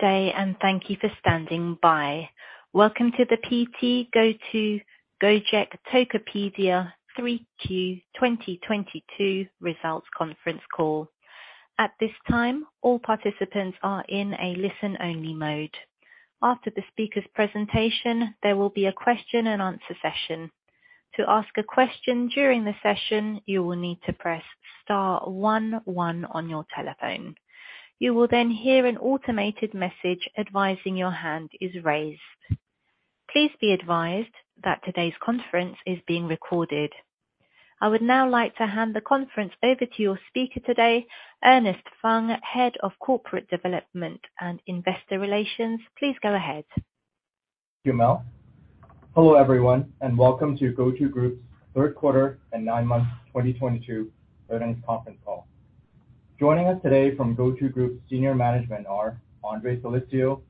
Good day. Thank you for standing by. Welcome to the PT GoTo Gojek Tokopedia 3Q 2022 results conference call. At this time, all participants are in a listen-only mode. After the speaker's presentation, there will be a question and answer session. To ask a question during the session, you will need to press star one one on your telephone. You will hear an automated message advising your hand is raised. Please be advised that today's conference is being recorded. I would now like to hand the conference over to your speaker today, Ernest Fung, Head of Corporate Development and Investor Relations. Please go ahead. Thank you, Mel. Hello, everyone, welcome to GoTo Group's third quarter and nine-month 2022 earnings conference call. Joining us today from GoTo Group senior management are Andre Soelistyo,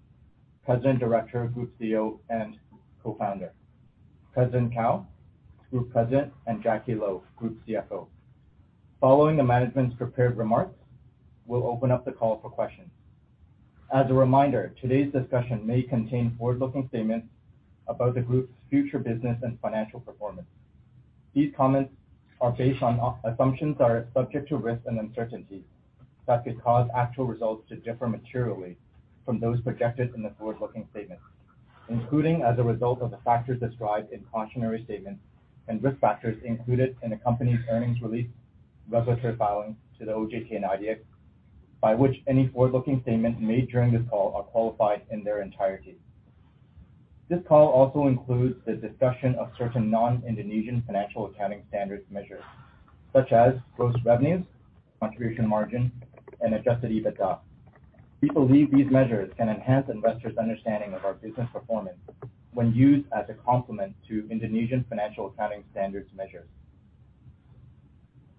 President, Director, Group CEO, and Co-founder; Patrick Cao, Group President; and Jacky Lo, Group CFO. Following the management's prepared remarks, we'll open up the call for questions. As a reminder, today's discussion may contain forward-looking statements about the group's future business and financial performance. These comments are based on assumptions that are subject to risks and uncertainties that could cause actual results to differ materially from those projected in the forward-looking statements, including as a result of the factors described in cautionary statements and risk factors included in the company's earnings release regulatory filings to the OJK and IDX, by which any forward-looking statements made during this call are qualified in their entirety. This call also includes the discussion of certain non-Indonesian financial accounting standards measures such as gross revenues, contribution margin, and adjusted EBITDA. We believe these measures can enhance investors' understanding of our business performance when used as a complement to Indonesian financial accounting standards measures.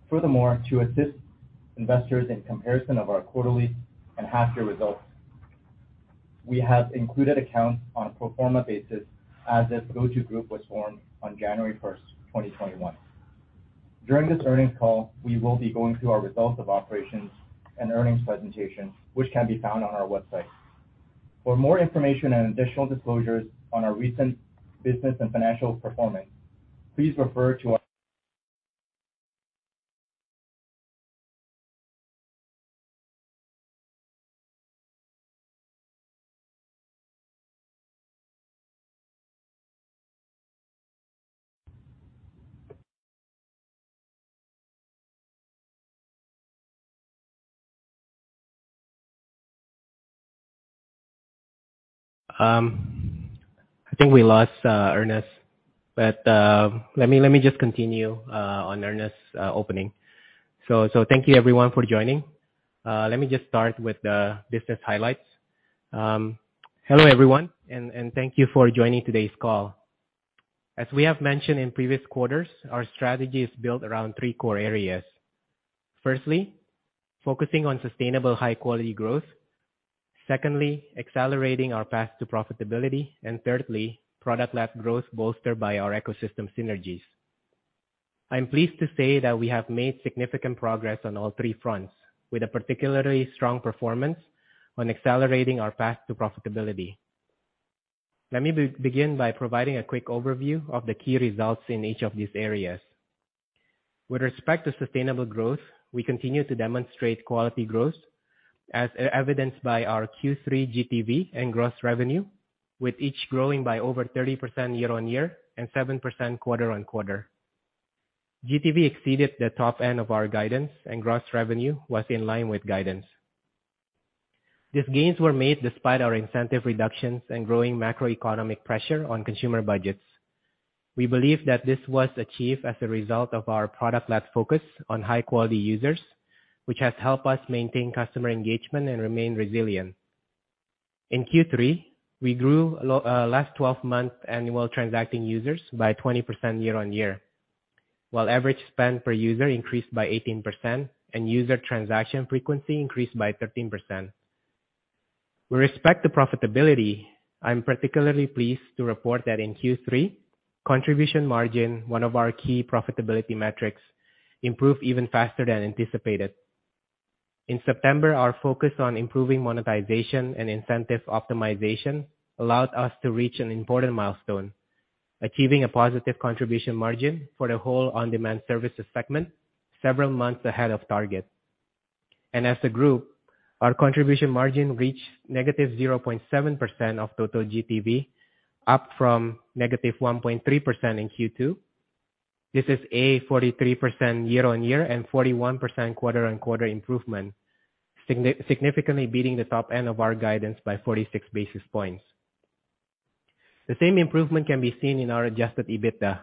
Furthermore, to assist investors in comparison of our quarterly and half-year results, we have included accounts on a pro forma basis as if GoTo Group was formed on January 1st, 2021. During this earnings call, we will be going through our results of operations and earnings presentation, which can be found on our website. For more information and additional disclosures on our recent business and financial performance, please refer to our... I think we lost Ernest, but let me just continue on Ernest's opening. Thank you, everyone, for joining. Let me just start with the business highlights. Hello, everyone, and thank you for joining today's call. As we have mentioned in previous quarters, our strategy is built around three core areas. Firstly, focusing on sustainable high-quality growth. Secondly, accelerating our path to profitability. Thirdly, product-led growth bolstered by our ecosystem synergies. I'm pleased to say that we have made significant progress on all three fronts, with a particularly strong performance on accelerating our path to profitability. Let me begin by providing a quick overview of the key results in each of these areas. With respect to sustainable growth, we continue to demonstrate quality growth as evidenced by our Q3 GTV and gross revenue, with each growing by over 30% year-on-year and 7% quarter-on-quarter. GTV exceeded the top end of our guidance and gross revenue was in line with guidance. These gains were made despite our incentive reductions and growing macroeconomic pressure on consumer budgets. We believe that this was achieved as a result of our product-led focus on high-quality users, which has helped us maintain customer engagement and remain resilient. In Q3, we grew last 12-month annual transacting users by 20% year-on-year, while average spend per user increased by 18% and user transaction frequency increased by 13%. With respect to profitability, I'm particularly pleased to report that in Q3, contribution margin, one of our key profitability metrics, improved even faster than anticipated. In September, our focus on improving monetization and incentive optimization allowed us to reach an important milestone, achieving a positive contribution margin for the whole on-demand services segment several months ahead of target. As a group, our contribution margin reached -0.7% of total GTV, up from -1.3% in Q2. This is a 43% year-on-year and 41% quarter-on-quarter improvement, significantly beating the top end of our guidance by 46 basis points. The same improvement can be seen in our adjusted EBITDA.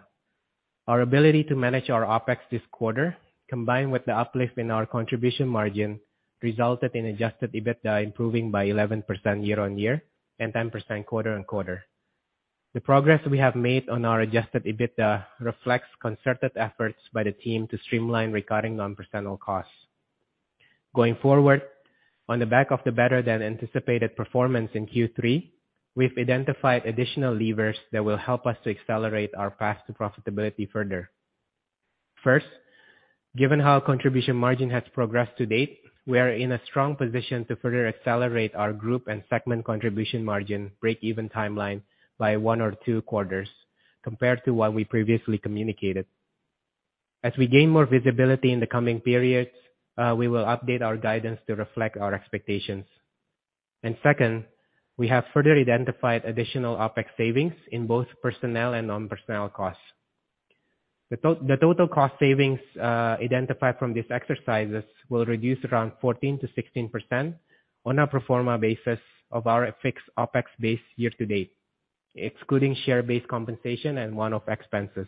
Our ability to manage our OpEx this quarter, combined with the uplift in our contribution margin, resulted in adjusted EBITDA improving by 11% year-on-year and 10% quarter-on-quarter. The progress we have made on our adjusted EBITDA reflects concerted efforts by the team to streamline recurring non-personnel costs. Going forward, on the back of the better than anticipated performance in Q3, we've identified additional levers that will help us to accelerate our path to profitability further. First, given how contribution margin has progressed to date, we are in a strong position to further accelerate our group and segment contribution margin breakeven timeline by one or two quarters compared to what we previously communicated. As we gain more visibility in the coming periods, we will update our guidance to reflect our expectations. Second, we have further identified additional OpEx savings in both personnel and non-personnel costs. The total cost savings identified from these exercises will reduce around 14%-16% on a pro forma basis of our fixed OpEx base year-to-date, excluding share-based compensation and one-off expenses.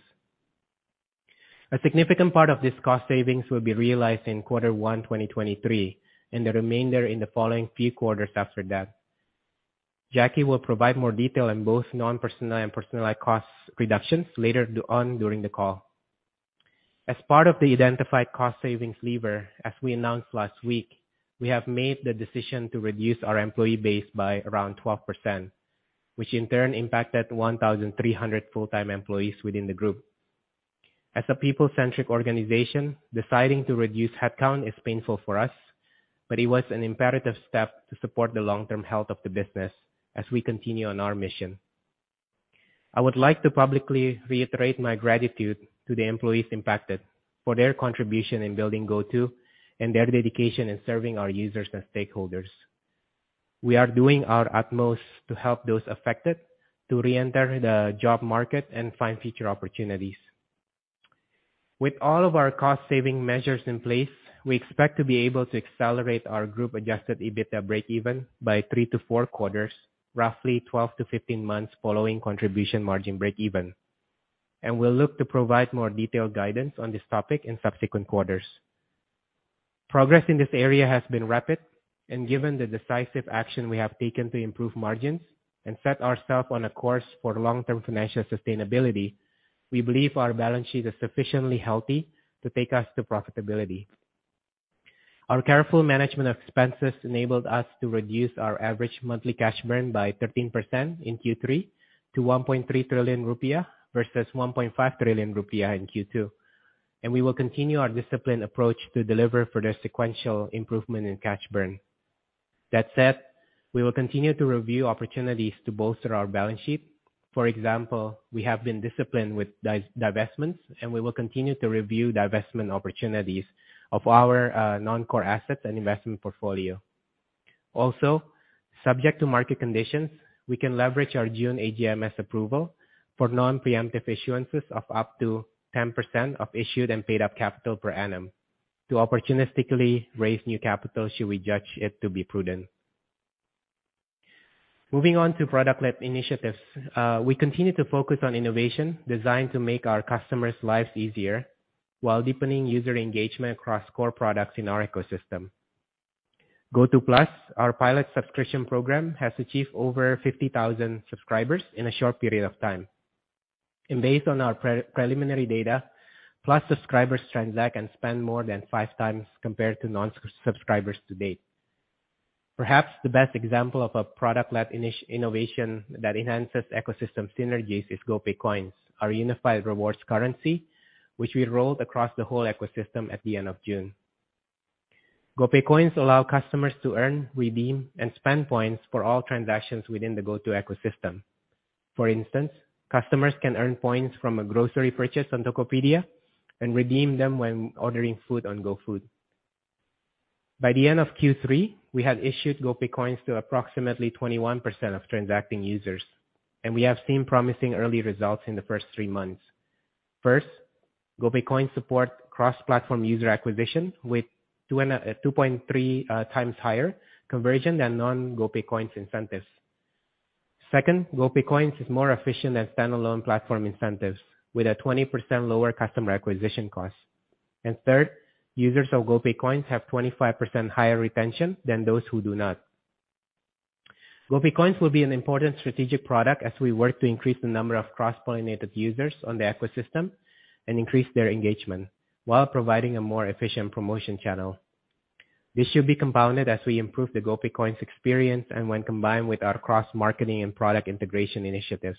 A significant part of this cost savings will be realized in quarter one, 2023, and the remainder in the following few quarters after that. Jacky Lo will provide more detail on both non-personnel and personalized cost reductions later on during the call. As part of the identified cost savings lever, as we announced last week, we have made the decision to reduce our employee base by around 12%, which in turn impacted 1,300 full-time employees within the group. As a people-centric organization, deciding to reduce headcount is painful for us, but it was an imperative step to support the long-term health of the business as we continue on our mission. I would like to publicly reiterate my gratitude to the employees impacted for their contribution in building GoTo and their dedication in serving our users and stakeholders. We are doing our utmost to help those affected to re-enter the job market and find future opportunities. With all of our cost-saving measures in place, we expect to be able to accelerate our group-adjusted EBITDA breakeven by three to four quarters, roughly 12-15 months following contribution margin breakeven. We'll look to provide more detailed guidance on this topic in subsequent quarters. Progress in this area has been rapid, and given the decisive action we have taken to improve margins and set ourself on a course for long-term financial sustainability, we believe our balance sheet is sufficiently healthy to take us to profitability. Our careful management of expenses enabled us to reduce our average monthly cash burn by 13% in Q3 to 1.3 trillion rupiah versus 1.5 trillion rupiah in Q2. We will continue our disciplined approach to deliver further sequential improvement in cash burn. That said, we will continue to review opportunities to bolster our balance sheet. For example, we have been disciplined with divestments, and we will continue to review divestment opportunities of our non-core assets and investment portfolio. Also, subject to market conditions, we can leverage our June AGMS approval for non-preemptive issuances of up to 10% of issued and paid up capital per annum to opportunistically raise new capital should we judge it to be prudent. Moving on to product-led initiatives. We continue to focus on innovation designed to make our customers' lives easier while deepening user engagement across core products in our ecosystem. GoTo Plus, our pilot subscription program, has achieved over 50,000 subscribers in a short period of time. Based on our preliminary data, Plus subscribers transact and spend more than 5x compared to non-subscribers to date. Perhaps the best example of a product-led innovation that enhances ecosystem synergies is GoPay Coins, our unified rewards currency, which we rolled across the whole ecosystem at the end of June. GoPay Coins allow customers to earn, redeem, and spend points for all transactions within the GoTo ecosystem. For instance, customers can earn points from a grocery purchase on Tokopedia and redeem them when ordering food on GoFood. By the end of Q3, we had issued GoPay Coins to approximately 21% of transacting users, and we have seen promising early results in the first three months. First, GoPay Coins support cross-platform user acquisition with 2.3x higher conversion than non-GoPay Coins incentives. Second, GoPay Coins is more efficient than standalone platform incentives with a 20% lower customer acquisition cost. Third, users of GoPay Coins have 25% higher retention than those who do not. GoPay Coins will be an important strategic product as we work to increase the number of cross-pollinated users on the ecosystem and increase their engagement while providing a more efficient promotion channel. This should be compounded as we improve the GoPay Coins experience and when combined with our cross-marketing and product integration initiatives.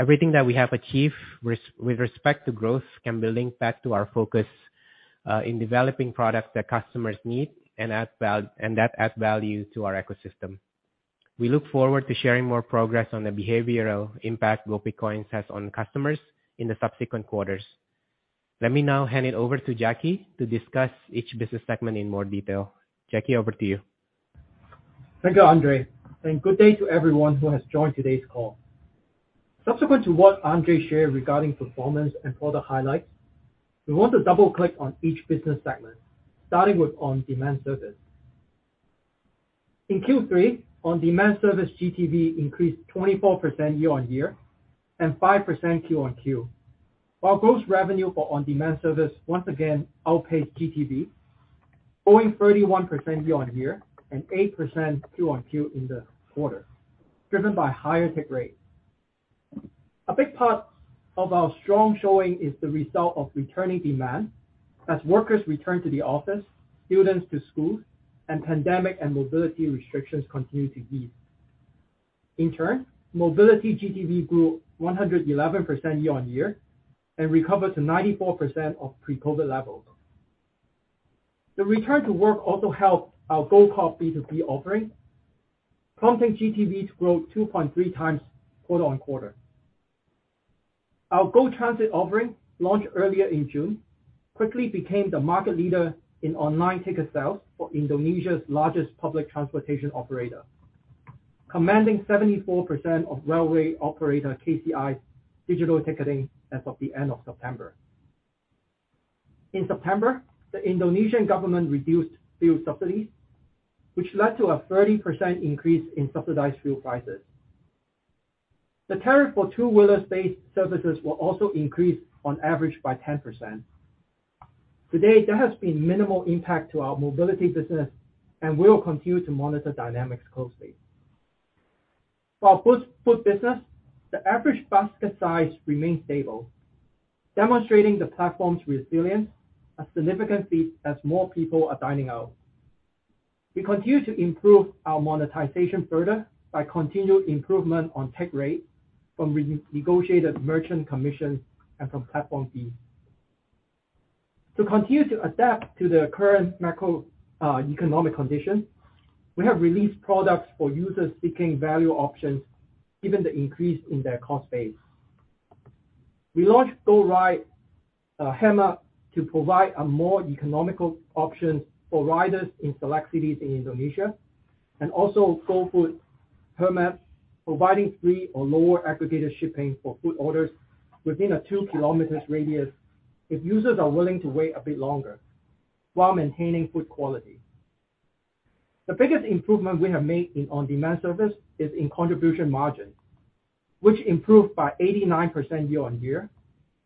Everything that we have achieved with respect to growth can be linked back to our focus in developing products that customers need and that add value to our ecosystem. We look forward to sharing more progress on the behavioral impact GoPay Coins has on customers in the subsequent quarters. Let me now hand it over to Jacky to discuss each business segment in more detail. Jacky, over to you. Thank you, Andre. Good day to everyone who has joined today's call. Subsequent to what Andre shared regarding performance and product highlights, we want to double-click on each business segment, starting with on-demand service. In Q3, on-demand service GTV increased 24% year-on-year and 5% quarter-on-quarter. While gross revenue for on-demand service once again outpaced GTV, growing 31% year-on-year and 8% quarter-on-quarter in the quarter, driven by higher take rate. A big part of our strong showing is the result of returning demand as workers return to the office, students to school, and pandemic and mobility restrictions continue to ease. In turn, mobility GTV grew 111% year-on-year and recovered to 94% of pre-COVID levels. The return to work also helped our GoCar B2B offering, prompting GTV to grow 2.3x quarter-on-quarter. Our GoTransit offering, launched earlier in June, quickly became the market leader in online ticket sales for Indonesia's largest public transportation operator, commanding 74% of railway operator KCI digital ticketing as of the end of September. In September, the Indonesian government reduced fuel subsidies, which led to a 30% increase in subsidized fuel prices. The tariff for two-wheeler-based services will also increase on average by 10%. To date, there has been minimal impact to our mobility business and we will continue to monitor dynamics closely. For our food business, the average basket size remained stable, demonstrating the platform's resilience, a significant feat as more people are dining out. We continue to improve our monetization further by continued improvement on take rate from re-negotiated merchant commission and from platform fees. To continue to adapt to the current macro economic conditions, we have released products for users seeking value options given the increase in their cost base. We launched GoRide Hemat to provide a more economical option for riders in select cities in Indonesia and also GoFood Hemat, providing free or lower aggregator shipping for food orders within a 2 km radius if users are willing to wait a bit longer while maintaining food quality. The biggest improvement we have made in on-demand service is in contribution margin, which improved by 89% year-on-year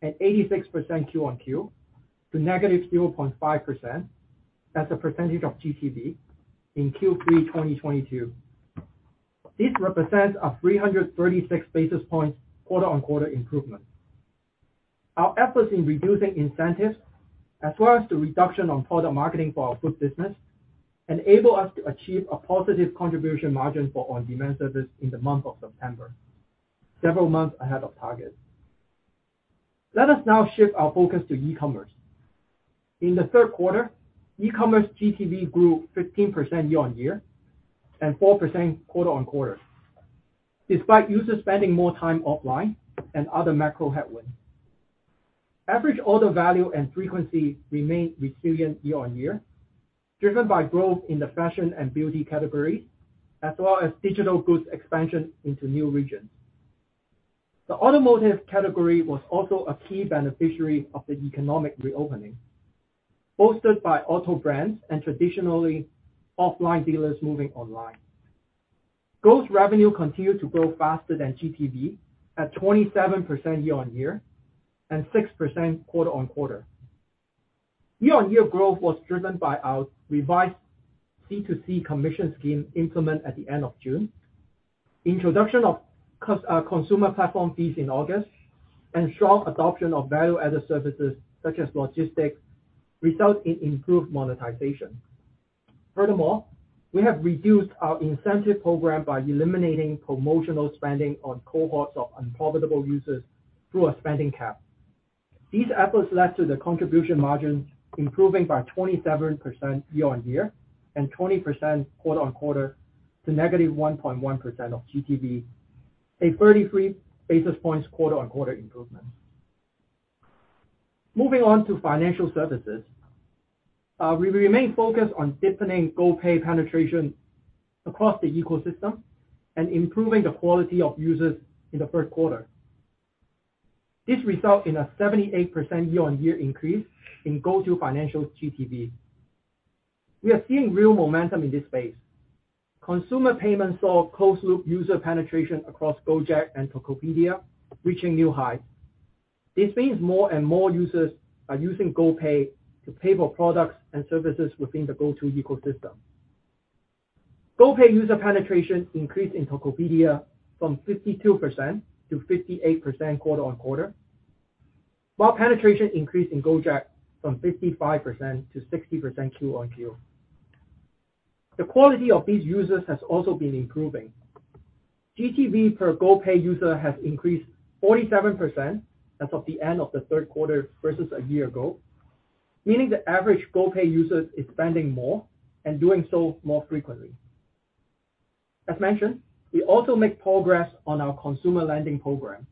and 86% Q-on-Q to negative 0.5% as a percentage of GTV in Q3 2022. This represents a 336 basis points quarter-on-quarter improvement. Our efforts in reducing incentives as well as the reduction on product marketing for our food business enable us to achieve a positive contribution margin for on-demand service in the month of September, several months ahead of target. Let us now shift our focus to e-commerce. In the third quarter, e-commerce GTV grew 15% year-on-year and 4% quarter-on-quarter, despite users spending more time offline and other macro headwinds. Average order value and frequency remained resilient year-on-year, driven by growth in the fashion and beauty category as well as digital goods expansion into new regions. The automotive category was also a key beneficiary of the economic reopening, bolstered by auto brands and traditionally offline dealers moving online. Growth revenue continued to grow faster than GTV at 27% year-on-year and 6% quarter-on-quarter. Year-on-year growth was driven by our revised C2C commission scheme implement at the end of June, introduction of consumer platform fees in August, and strong adoption of value-added services such as logistics result in improved monetization. Furthermore, we have reduced our incentive program by eliminating promotional spending on cohorts of unprofitable users through a spending cap. These efforts led to the contribution margin improving by 27% year-on-year and 20% quarter-on-quarter to negative 1.1% of GTV, a 33 basis points quarter-on-quarter improvement. Moving on to financial services, we remain focused on deepening GoPay penetration across the ecosystem and improving the quality of users in the third quarter. This result in a 78% year-on-year increase in GoTo Financial GTV. We are seeing real momentum in this space. Consumer payments saw closed loop user penetration across Gojek and Tokopedia reaching new highs. This means more and more users are using GoPay to pay for products and services within the GoTo ecosystem. GoPay user penetration increased in Tokopedia from 52% to 58% quarter-on-quarter, while penetration increased in Gojek from 55% to 60% Q-on-Q. The quality of these users has also been improving. GTV per GoPay user has increased 47% as of the end of the third quarter versus a year ago, meaning the average GoPay user is spending more and doing so more frequently. As mentioned, we also make progress on our consumer lending program.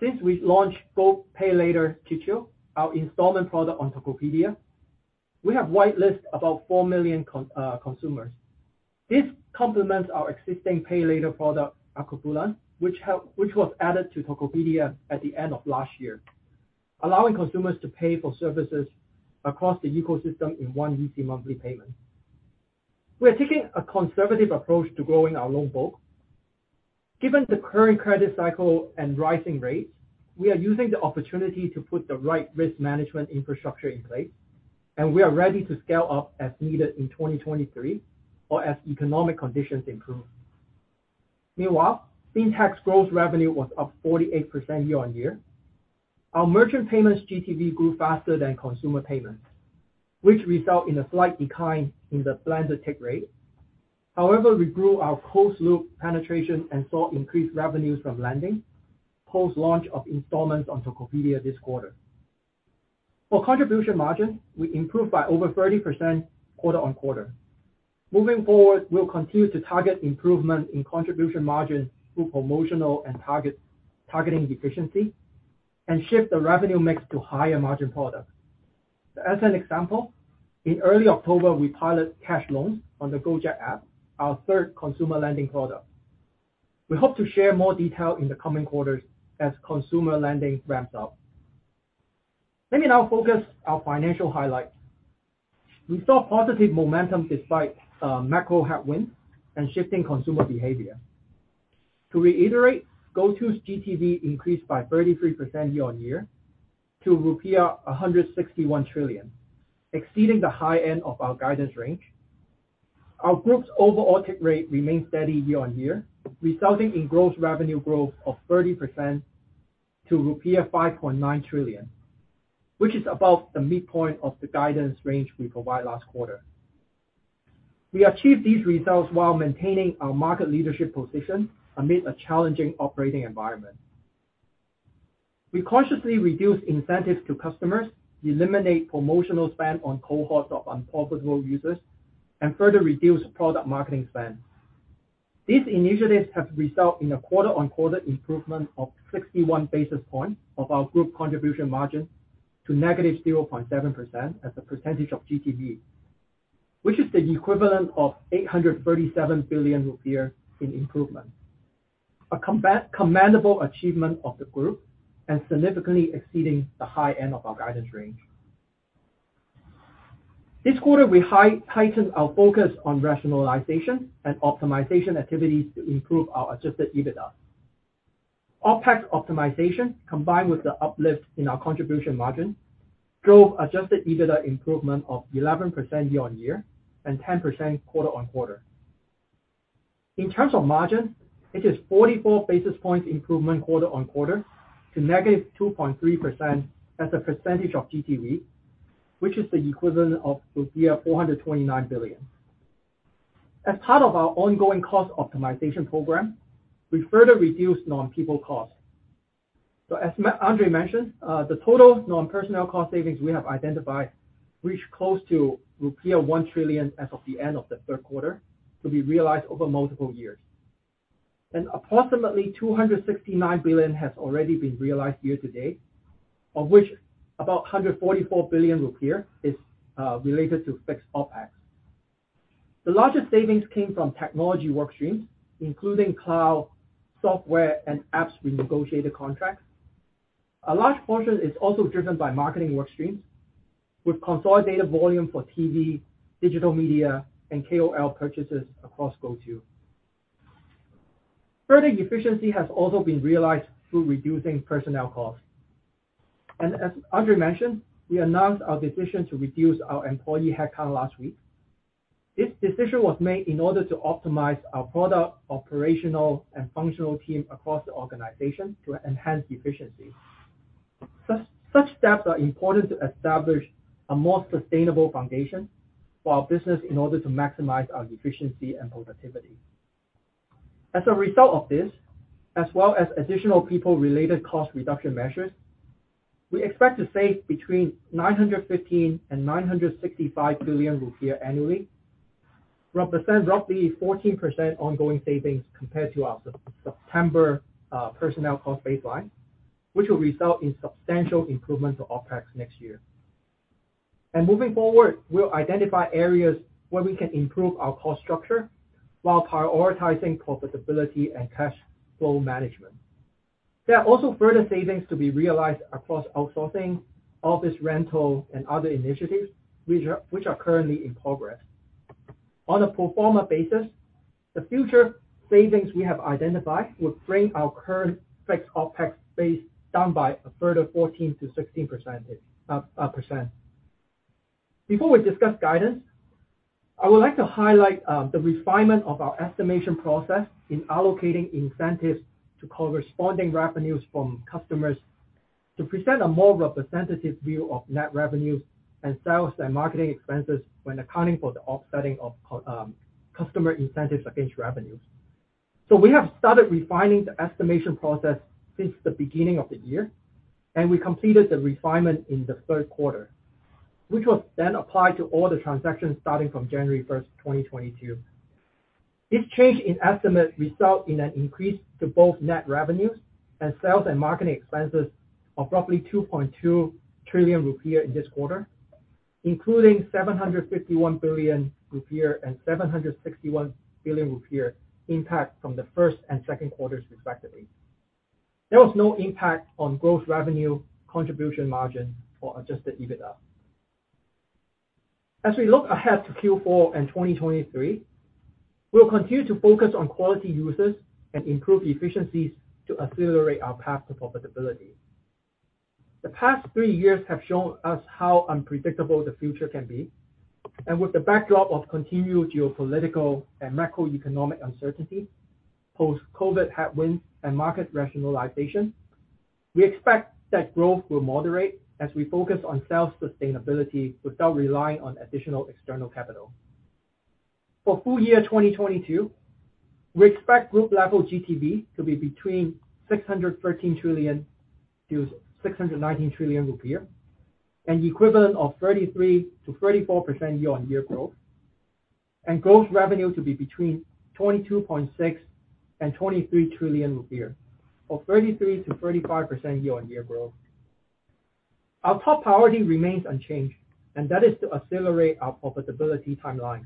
Since we launched GoPayLater Cicil, our installment product on Tokopedia, we have white-list about 4 million consumers. This complements our existing Pay Later product, Akulaku, which was added to Tokopedia at the end of last year, allowing consumers to pay for services across the ecosystem in one easy monthly payment. We are taking a conservative approach to growing our loan book. Given the current credit cycle and rising rates, we are using the opportunity to put the right risk management infrastructure in place, and we are ready to scale up as needed in 2023 or as economic conditions improve. Meanwhile, FinTech's growth revenue was up 48% year-on-year. Our merchant payments GTV grew faster than consumer payments, which result in a slight decline in the blended tech rate. However, we grew our closed loop penetration and saw increased revenues from lending, post-launch of installments on Tokopedia this quarter. For contribution margin, we improved by over 30% quarter-on-quarter. Moving forward, we'll continue to target improvement in contribution margin through promotional targeting efficiency and shift the revenue mix to higher margin products. As an example, in early October, we pilot cash loans on the Gojek app, our third consumer lending product. We hope to share more detail in the coming quarters as consumer lending ramps up. Let me now focus our financial highlights. We saw positive momentum despite macro headwinds and shifting consumer behavior. To reiterate, GoTo's GTV increased by 33% year-on-year to rupiah 161 trillion, exceeding the high end of our guidance range. Our group's overall tick rate remained steady year-on-year, resulting in gross revenue growth of 30% to rupiah 5.9 trillion, which is above the midpoint of the guidance range we provided last quarter. We achieved these results while maintaining our market leadership position amid a challenging operating environment. We cautiously reduced incentives to customers, eliminate promotional spend on cohorts of unprofitable users, and further reduce product marketing spend. These initiatives have resulted in a quarter-on-quarter improvement of 61 basis points of our group contribution margin to -0.7% as a percentage of GTV, which is the equivalent of 837 billion rupiah in improvement. commendable achievement of the group and significantly exceeding the high end of our guidance range. This quarter, we heightened our focus on rationalization and optimization activities to improve our adjusted EBITDA. OpEx optimization, combined with the uplift in our contribution margin, drove adjusted EBITDA improvement of 11% year-on-year and 10% quarter-on-quarter. In terms of margin, it is 44 basis point improvement quarter-on-quarter to -2.3% as a percentage of GTV, which is the equivalent of 429 billion. As part of our ongoing cost optimization program, we further reduced non-people costs. As Andre mentioned, the total non-personnel cost savings we have identified reached close to rupiah 1 trillion as of the end of the third quarter to be realized over multiple years. Approximately 269 billion has already been realized year-to-date, of which about 144 billion rupiah is related to fixed OpEx. The largest savings came from technology work streams, including cloud software and apps renegotiated contracts. A large portion is also driven by marketing work streams with consolidated volume for TV, digital media, and KOL purchases across GoTo. Further efficiency has also been realized through reducing personnel costs. As Andre Soelistyo mentioned, we announced our decision to reduce our employee headcount last week. This decision was made in order to optimize our product, operational, and functional team across the organization to enhance efficiency. Such steps are important to establish a more sustainable foundation for our business in order to maximize our efficiency and productivity. As a result of this, as well as additional people-related cost reduction measures, we expect to save between 915 billion and 965 billion rupiah annually, represent roughly 14% ongoing savings compared to our September personnel cost baseline, which will result in substantial improvement to OpEx next year. Moving forward, we'll identify areas where we can improve our cost structure while prioritizing profitability and cash flow management. There are also further savings to be realized across outsourcing, office rental, and other initiatives which are currently in progress. On a pro forma basis, the future savings we have identified would bring our current fixed OpEx base down by a further 14%-16%. Before we discuss guidance, I would like to highlight the refinement of our estimation process in allocating incentives to corresponding revenues from customers to present a more representative view of net revenues and sales and marketing expenses when accounting for the offsetting of customer incentives against revenues. We have started refining the estimation process since the beginning of the year, and we completed the refinement in the third quarter, which was then applied to all the transactions starting from January 1st, 2022. This change in estimate result in an increase to both net revenues and sales and marketing expenses of roughly 2.2 trillion rupiah in this quarter, including 751 billion rupiah and 761 billion rupiah impact from the first and second quarters respectively. There was no impact on gross revenue contribution margin or adjusted EBITDA. We look ahead to Q4 and 2023, we will continue to focus on quality users and improve efficiencies to accelerate our path to profitability. The past three years have shown us how unpredictable the future can be. With the backdrop of continued geopolitical and macroeconomic uncertainty, post-COVID headwinds and market rationalization, we expect that growth will moderate as we focus on self-sustainability without relying on additional external capital. For full year 2022, we expect group level GTV to be between IDR 613 trillion-IDR 619 trillion, an equivalent of 33%-34% year-on-year growth, and gross revenue to be between 22.6 trillion and 23 trillion rupiah, or 33%-35% year-on-year growth. Our top priority remains unchanged, and that is to accelerate our profitability timeline.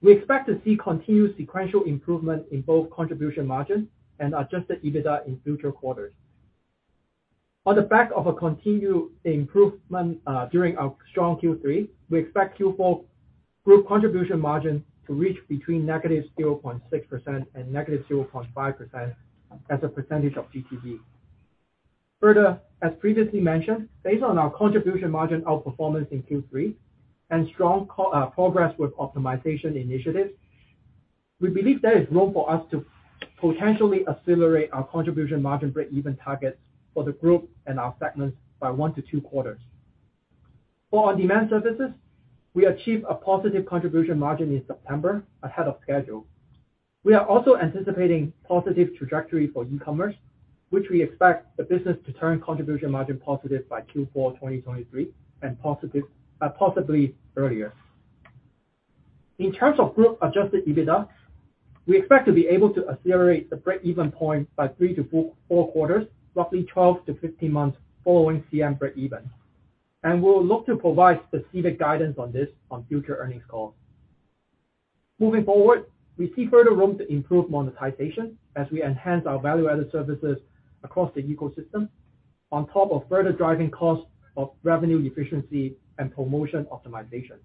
We expect to see continued sequential improvement in both contribution margin and adjusted EBITDA in future quarters. On the back of a continued improvement during our strong Q3, we expect Q4 group contribution margin to reach between -0.6% and -0.5% as a percentage of GTV. Further, as previously mentioned, based on our contribution margin outperformance in Q3 and strong progress with optimization initiatives, we believe there is room for us to potentially accelerate our contribution margin breakeven targets for the group and our segments by one to two quarters. For on-demand services, we achieved a positive contribution margin in September ahead of schedule. We are also anticipating positive trajectory for e-commerce, which we expect the business to turn contribution margin positive by Q4 2023 and positive, possibly earlier. In terms of group adjusted EBITDA, we expect to be able to accelerate the breakeven point by three to four quarters, roughly 12-15 months following CM breakeven. We'll look to provide specific guidance on this on future earnings calls. Moving forward, we see further room to improve monetization as we enhance our value-added services across the ecosystem on top of further driving costs of revenue efficiency and promotion optimization.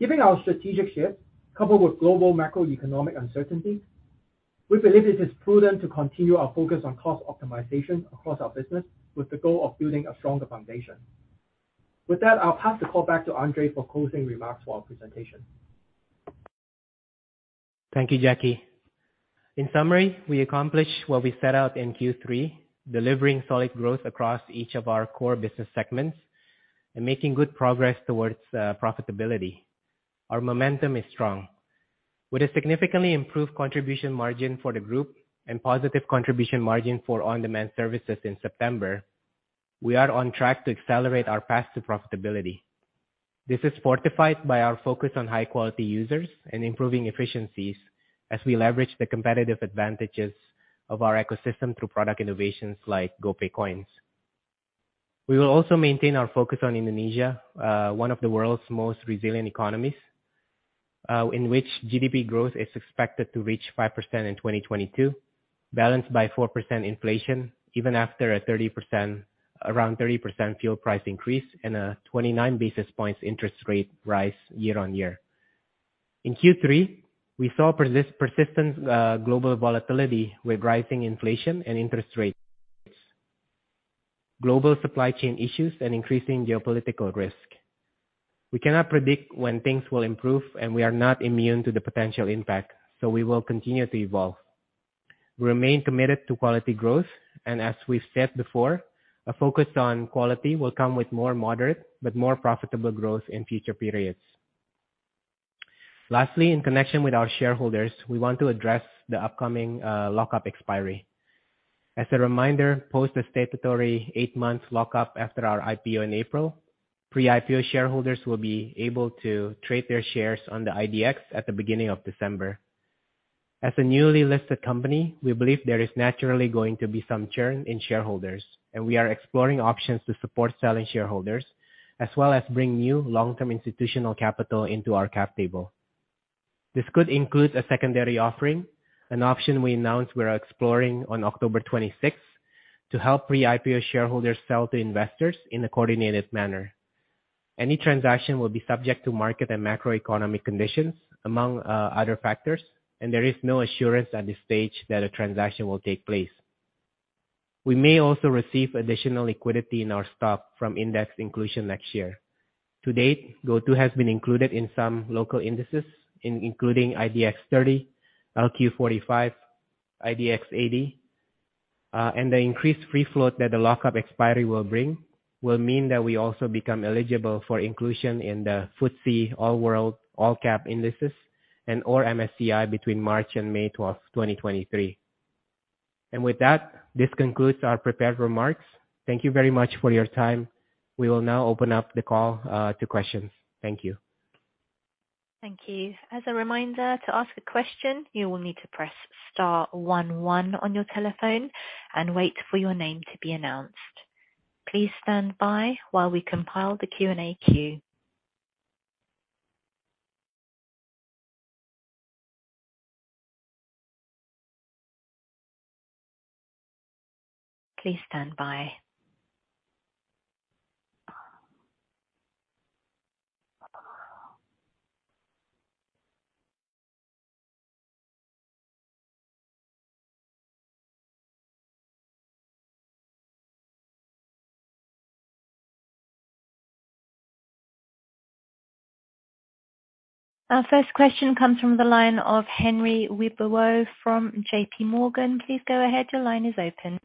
Given our strategic shift, coupled with global macroeconomic uncertainty, we believe it is prudent to continue our focus on cost optimization across our business with the goal of building a stronger foundation. With that, I'll pass the call back to Andre for closing remarks for our presentation. Thank you, Jacky. In summary, we accomplished what we set out in Q3, delivering solid growth across each of our core business segments and making good progress towards profitability. Our momentum is strong. With a significantly improved contribution margin for the group and positive contribution margin for on-demand services in September, we are on track to accelerate our path to profitability. This is fortified by our focus on high-quality users and improving efficiencies as we leverage the competitive advantages of our ecosystem through product innovations like GoPay Coins. We will also maintain our focus on Indonesia, one of the world's most resilient economies, in which GDP growth is expected to reach 5% in 2022, balanced by 4% inflation, even after a 30% around 30% fuel price increase and a 29 basis points interest rate rise year-on-year. In Q3, we saw persistent global volatility with rising inflation and interest rates, global supply chain issues, and increasing geopolitical risk. We cannot predict when things will improve, and we are not immune to the potential impact, so we will continue to evolve. We remain committed to quality growth, and as we've said before, a focus on quality will come with more moderate but more profitable growth in future periods. Lastly, in connection with our shareholders, we want to address the upcoming lock-up expiry. As a reminder, post the statutory eight months lock-up after our IPO in April, pre-IPO shareholders will be able to trade their shares on the IDX at the beginning of December. As a newly listed company, we believe there is naturally going to be some churn in shareholders, and we are exploring options to support selling shareholders, as well as bring new long-term institutional capital into our cap table. This could include a secondary offering, an option we announced we are exploring on October 26 to help pre-IPO shareholders sell to investors in a coordinated manner. Any transaction will be subject to market and macroeconomic conditions among other factors, and there is no assurance at this stage that a transaction will take place. We may also receive additional liquidity in our stock from index inclusion next year. To date, GoTo has been included in some local indices, including IDX 30, LQ45, IDX 80. The increased free float that the lock-up expiry will bring will mean that we also become eligible for inclusion in the FTSE All-World All-Cap Indexes and or MSCI between March and May 12, 2023. With that, this concludes our prepared remarks. Thank you very much for your time. We will now open up the call to questions. Thank you. Thank you. As a reminder, to ask a question, you will need to press star one one on your telephone and wait for your name to be announced. Please stand by while we compile the Q&A queue. Please stand by. Our first question comes from the line of Henry Wibowo from JPMorgan. Please go ahead. Your line is open.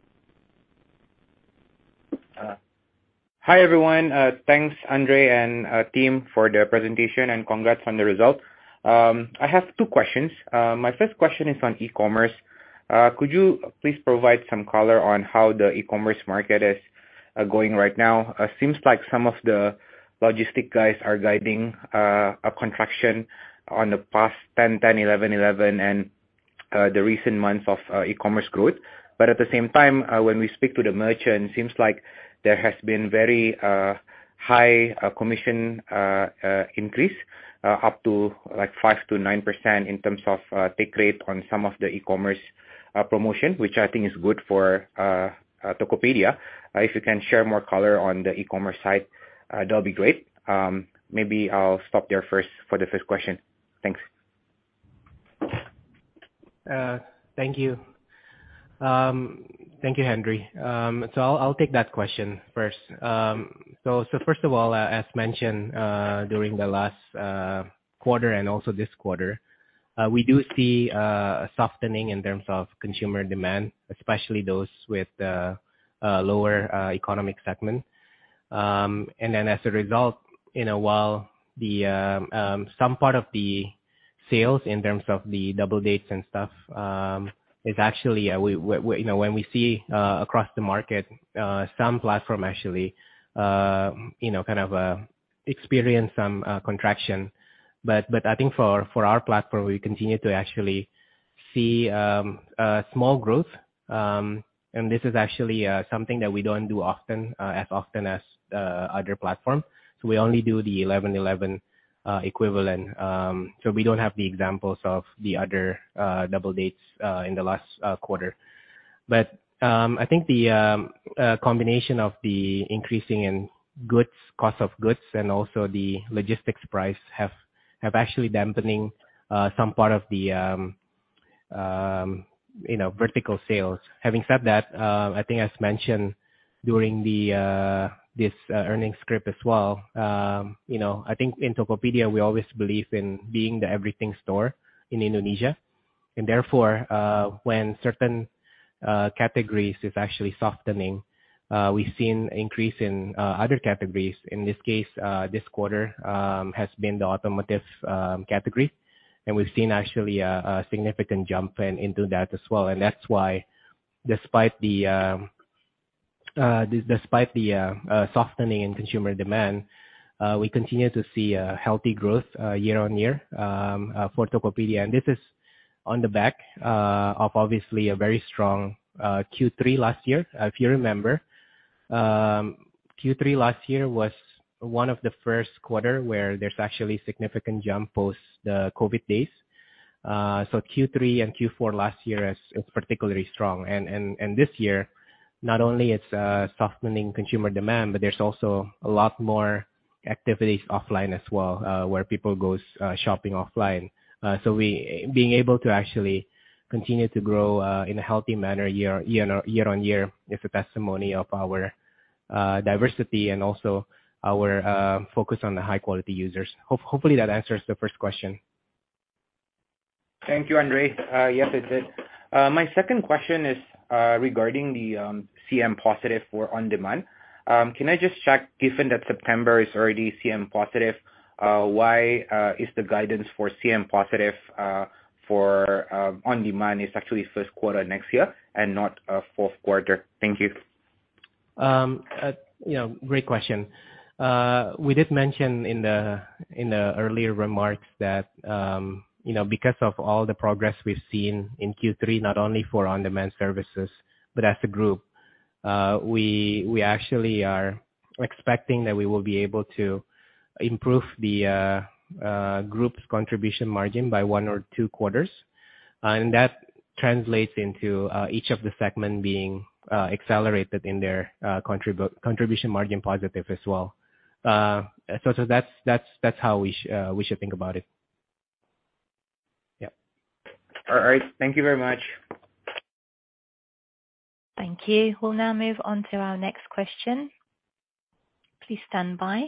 Hi, everyone. Thanks, Andre and team for the presentation and congrats on the result. I have two questions. My first question is on e-commerce. Could you please provide some color on how the e-commerce market is going right now? Seems like some of the logistic guys are guiding a contraction on the past ten-ten, eleven-eleven, and the recent months of e-commerce growth. At the same time, when we speak to the merchant, seems like there has been very high commission increase up to, like, 5%-9% in terms of take rate on some of the e-commerce promotion, which I think is good for Tokopedia. If you can share more color on the e-commerce side, that'll be great. maybe I'll stop there first for the first question. Thanks. Thank you. Thank you, Henry. I'll take that question first. First of all, as mentioned, during the last quarter and also this quarter, we do see a softening in terms of consumer demand, especially those with lower economic segment. As a result, in a while, the, some part of the sales in terms of the double digits and stuff, is actually, we, you know, when we see, across the market, some platform actually, you know, kind of, experience some contraction. I think for our platform, we continue to actually see small growth. This is actually something that we don't do often, as often as other platforms. We only do the 11/11 equivalent. We don't have the examples of the other double dates in the last quarter. I think the combination of the increasing in goods, cost of goods and also the logistics price have actually dampening some part of the, you know, vertical sales. Having said that, I think as mentioned during this earnings script as well, you know, I think in Tokopedia, we always believe in being the everything store in Indonesia. Therefore, when certain categories is actually softening, we've seen increase in other categories. In this case, this quarter has been the automotive category, and we've seen actually a significant jump in into that as well. That's why despite the softening in consumer demand, we continue to see a healthy growth year-on-year for Tokopedia. This is on the back of obviously a very strong Q3 last year. If you remember, Q3 last year was one of the first quarter where there's actually significant jump post the COVID days. So Q3 and Q4 last year is particularly strong. This year, not only it's softening consumer demand, but there's also a lot more activities offline as well, where people goes shopping offline. Being able to actually continue to grow in a healthy manner year-on-year is a testimony of our diversity and also our focus on the high quality users. Hopefully that answers the first question. Thank you, Andre. Yes, it did. My second question is regarding the CM positive for on-demand. Can I just check, given that September is already CM positive, why is the guidance for CM positive for on-demand is actually first quarter next year and not fourth quarter? Thank you. You know, great question. We did mention in the earlier remarks that, you know, because of all the progress we've seen in Q3, not only for on-demand services but as a group, we actually are expecting that we will be able to improve the group's contribution margin by one or two quarters. That translates into each of the segment being accelerated in their contribution margin positive as well. So that's how we should think about it. Yep. All right. Thank you very much. Thank you. We'll now move on to our next question. Please stand by.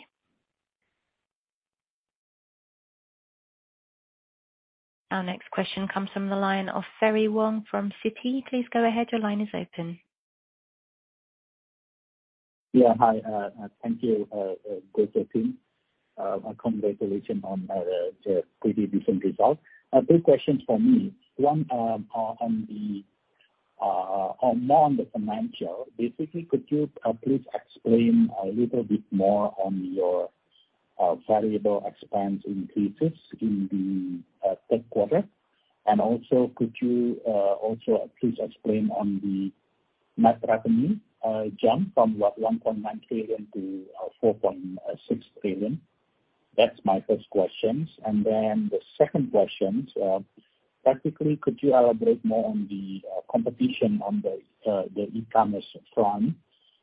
Our next question comes from the line of Ferry Wong from Citi. Please go ahead. Your line is open. Yeah, hi. Thank you GoTo team. Congratulations on the pretty decent result. Two questions from me. One, on the more on the financial. Basically, could you please explain a little bit more on your variable expense increases in the third quarter? Also could you also please explain on the net revenue jump from, what, 1.9 trillion to 4.6 trillion? That's my first question. The second question, practically could you elaborate more on the competition on the e-commerce front,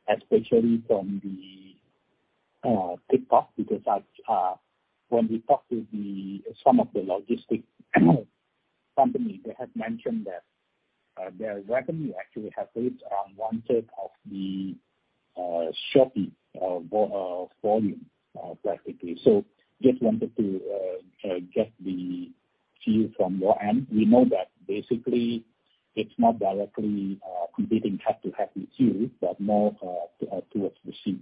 especially from the TikTok, because that's when we talk with the some of the logistic companies, they have mentioned that their revenue actually have reached around one-third of the Shopee volume practically? Just wanted to get the view from your end. We know that basically it's not directly competing head-to-head with you, but more towards Shopee.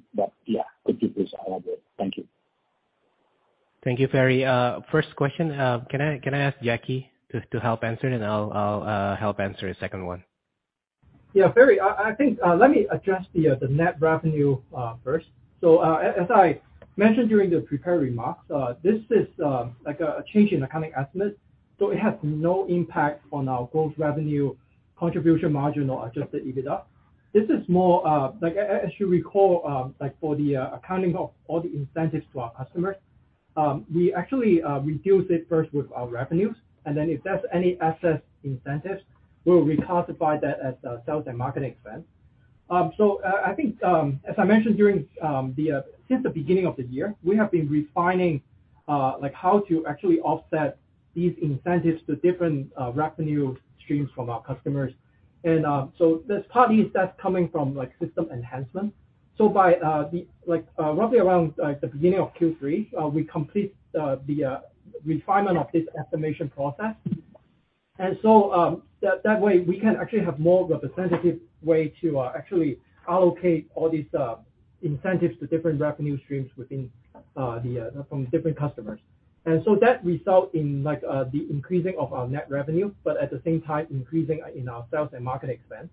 Yeah, could you please elaborate? Thank you. Thank you, Ferry. First question, can I ask Jacky to help answer it and I'll help answer the second one. Yeah, Ferry, I think, let me address the net revenue first. As I mentioned during the prepared remarks, this is like a change in accounting estimate, so it has no impact on our growth, revenue, contribution margin or adjusted EBITDA. This is more like as you recall, like for the accounting of all the incentives to our customers, we actually reduce it first with our revenues, and then if there's any excess incentives, we'll reclassify that as sales and marketing expense. I think, as I mentioned during, since the beginning of the year, we have been refining, like how to actually offset these incentives to different revenue streams from our customers. There's partly that's coming from like system enhancement. The roughly around the beginning of Q3, we complete the refinement of this estimation process. That way we can actually have more representative way to actually allocate all these incentives to different revenue streams within the from different customers. That result in the increasing of our net revenue, but at the same time increasing in our sales and marketing expense.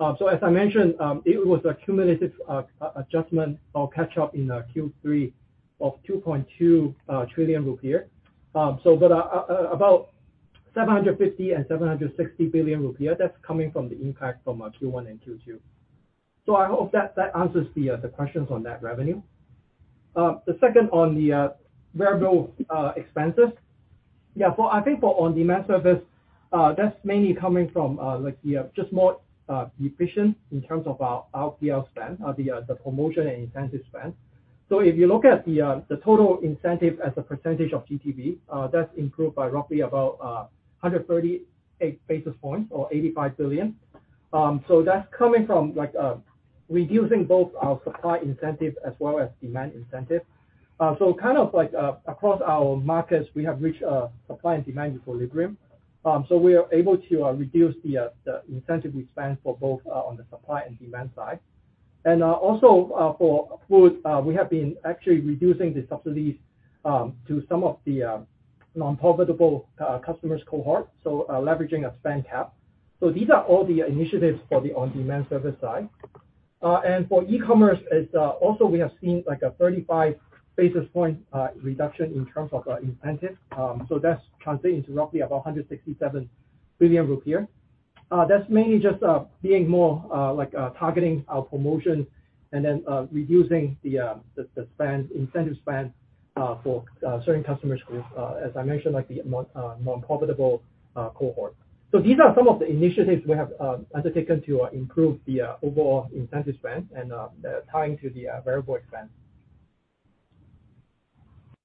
As I mentioned, it was a cumulative adjustment or catch-up in Q3 of 2.2 trillion rupiah. But about 750 billion and 760 billion rupiah, that's coming from the impact from Q1 and Q2. I hope that answers the questions on net revenue. The second on the variable expenses. Yeah. For, I think for on-demand service, that's mainly coming from, like the, just more efficient in terms of our LTL spend, the promotion and incentive spend. If you look at the total incentive as a percentage of GTV, that's improved by roughly about 138 basis points or 85 billion. That's coming from, like, reducing both our supply incentive as well as demand incentive. Kind of like, across our markets, we have reached a supply and demand equilibrium. We are able to reduce the incentive we spend for both on the supply and demand side. Also, for food, we have been actually reducing the subsidies to some of the non-profitable customers cohort, leveraging a spend cap. These are all the initiatives for the on-demand service side. And for e-commerce, also we have seen like a 35 basis point reduction in terms of incentive. That's translating to roughly about 167 billion rupiah. That's mainly just being more like targeting our promotion and then reducing the incentive spend for certain customer groups, as I mentioned, like the more profitable cohort. These are some of the initiatives we have undertaken to improve the overall incentive spend and tying to the variable expense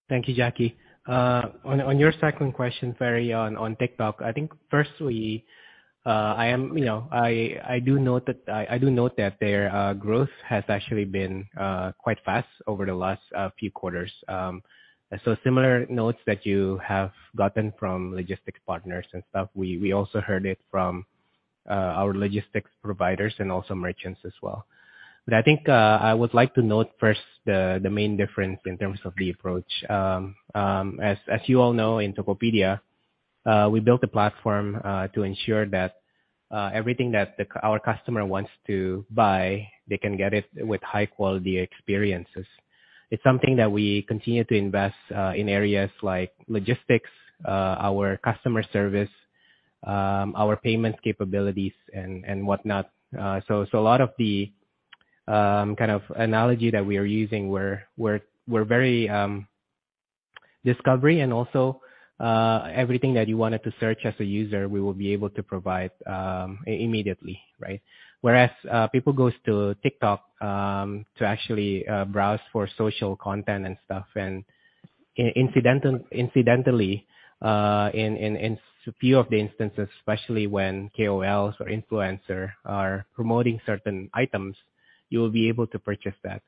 Thank you, Jacky. On your second question, Ferry, on TikTok, I think firstly, I am, you know, I do note that their growth has actually been quite fast over the last few quarters. Similar notes that you have gotten from logistics partners and stuff, we also heard it from our logistics providers and also merchants as well. I think I would like to note first the main difference in terms of the approach. As you all know, in Tokopedia, we built a platform to ensure that everything that our customer wants to buy, they can get it with high quality experiences. It's something that we continue to invest in areas like logistics, our customer service, our payment capabilities and whatnot. A lot of the kind of analogy that we are using were very discovery and also everything that you wanted to search as a user, we will be able to provide immediately, right? Whereas people goes to TikTok to actually browse for social content and stuff, and incidentally in a few of the instances, especially when KOLs or influencer are promoting certain items, you'll be able to purchase that.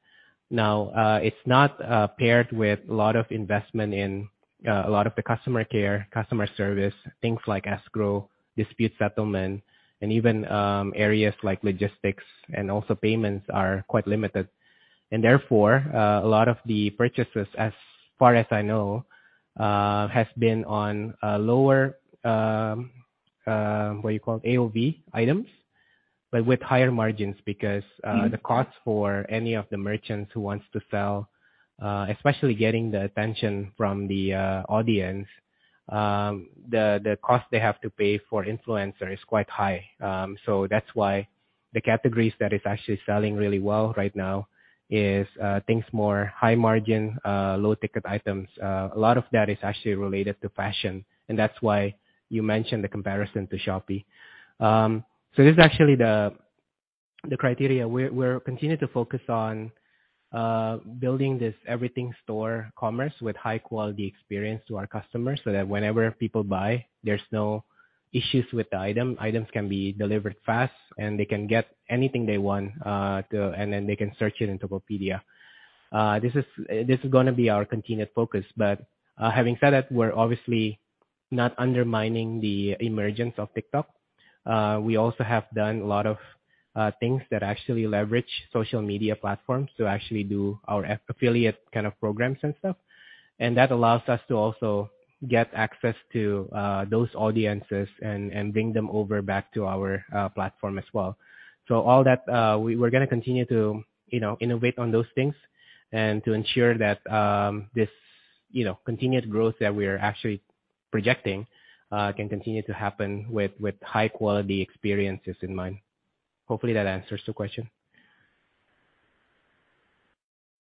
Now, it's not paired with a lot of investment in a lot of the customer care, customer service, things like escrow, dispute settlement, and even areas like logistics and also payments are quite limited. Therefore, a lot of the purchases, as far as I know, has been on a lower, what you call AOV items, but with higher margins because. Mm-hmm. The cost for any of the merchants who wants to sell, especially getting the attention from the audience, the cost they have to pay for influencer is quite high. That's why the categories that is actually selling really well right now is things more high margin, low ticket items. A lot of that is actually related to fashion, and that's why you mentioned the comparison to Shopee. This is actually the criteria. We're continue to focus on, building this everything store commerce with high-quality experience to our customers so that whenever people buy, there's no issues with the item. Items can be delivered fast, and they can get anything they want. Then they can search it in Tokopedia. This is gonna be our continued focus. Having said that, we're obviously not undermining the emergence of TikTok. We also have done a lot of things that actually leverage social media platforms to actually do our affiliate kind of programs and stuff. That allows us to also get access to those audiences and bring them over back to our platform as well. All that, we're gonna continue to, you know, innovate on those things and to ensure that, this, you know, continued growth that we are actually projecting, can continue to happen with high-quality experiences in mind. Hopefully that answers the question.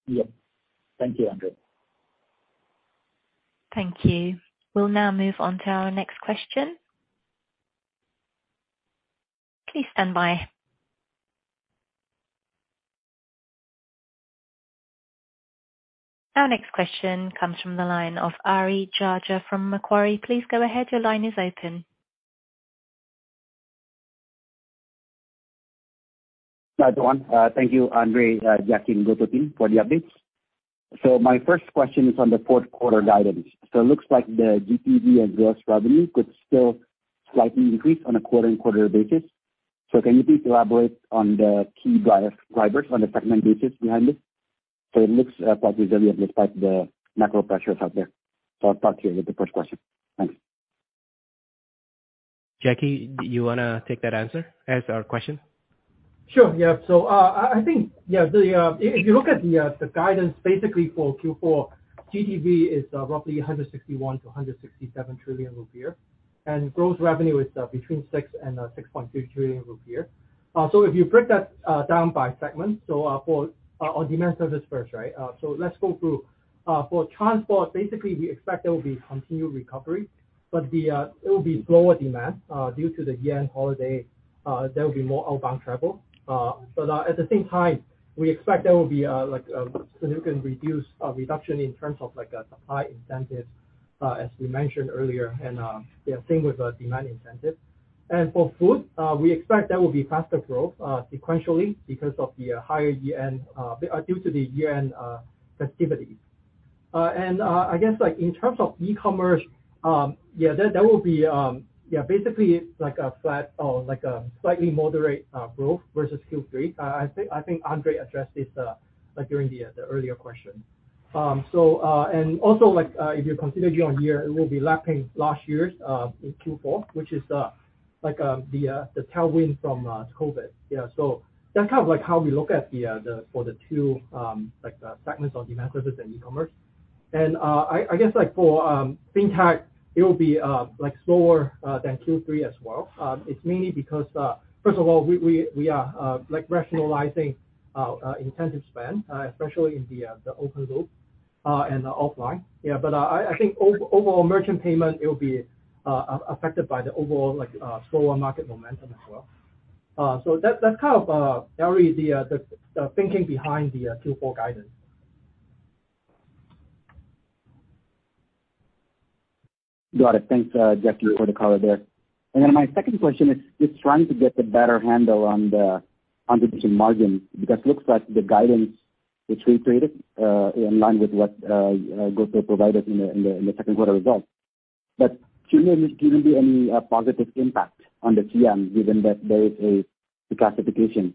Yeah. Thank you, Andre. Thank you. We'll now move on to our next question. Please stand by. Our next question comes from the line of Ari Jahja from Macquarie. Please go ahead. Your line is open. Hi, everyone. Thank you, Andre, Jacky and GoTo team for the updates. My first question is on the fourth quarter guidance. It looks like the GTV and gross revenue could still slightly increase on a quarter-over-quarter basis. Can you please elaborate on the key drivers on the segment basis behind it? It looks quite resilient despite the macro pressures out there. I'll start here with the first question. Thanks. Jacky, do you wanna take that answer? Answer our question. Sure, yeah. I think, yeah, the, if you look at the guidance basically for Q4, GDV is roughly 161 trillion-167 trillion rupiah. Gross revenue is between IDR 6 trillion and 6.2 trillion rupiah. If you break that down by segment, so for on demand service first, right? Let's go through. For transport, basically we expect there will be continued recovery, but it will be slower demand due to the year-end holiday, there will be more outbound travel. At the same time, we expect there will be like significant reduction in terms of like a supply incentive, as we mentioned earlier, and yeah, same with the demand incentive. For food, we expect that will be faster growth sequentially because of the higher year-end due to the year-end festivity. I guess like in terms of e-commerce, yeah, that will be, yeah, basically it's like a flat or like a slightly moderate growth versus Q3. I think Andre addressed this like during the earlier question. So, and also like, if you consider year-on-year, it will be lapping last year's Q4, which is like the tailwind from COVID. Yeah, that's kind of like how we look at the for the two like segments of demand versus in e-commerce. I guess like for FinTech it will be like slower than Q3 as well. It's mainly because, first of all, we are like rationalizing intensive spend, especially in the open loop and the offline. Yeah, I think overall merchant payment it will be affected by the overall like slower market momentum as well. That's kind of Ari, the thinking behind the Q4 guidance. Got it. Thanks, Jacky for the color there. My second question is just trying to get a better handle on the contribution margin, because looks like the guidance which we created in line with what GoTo provided in the second quarter results. Shouldn't there, shouldn't be any positive impact on the CM given that there is the classification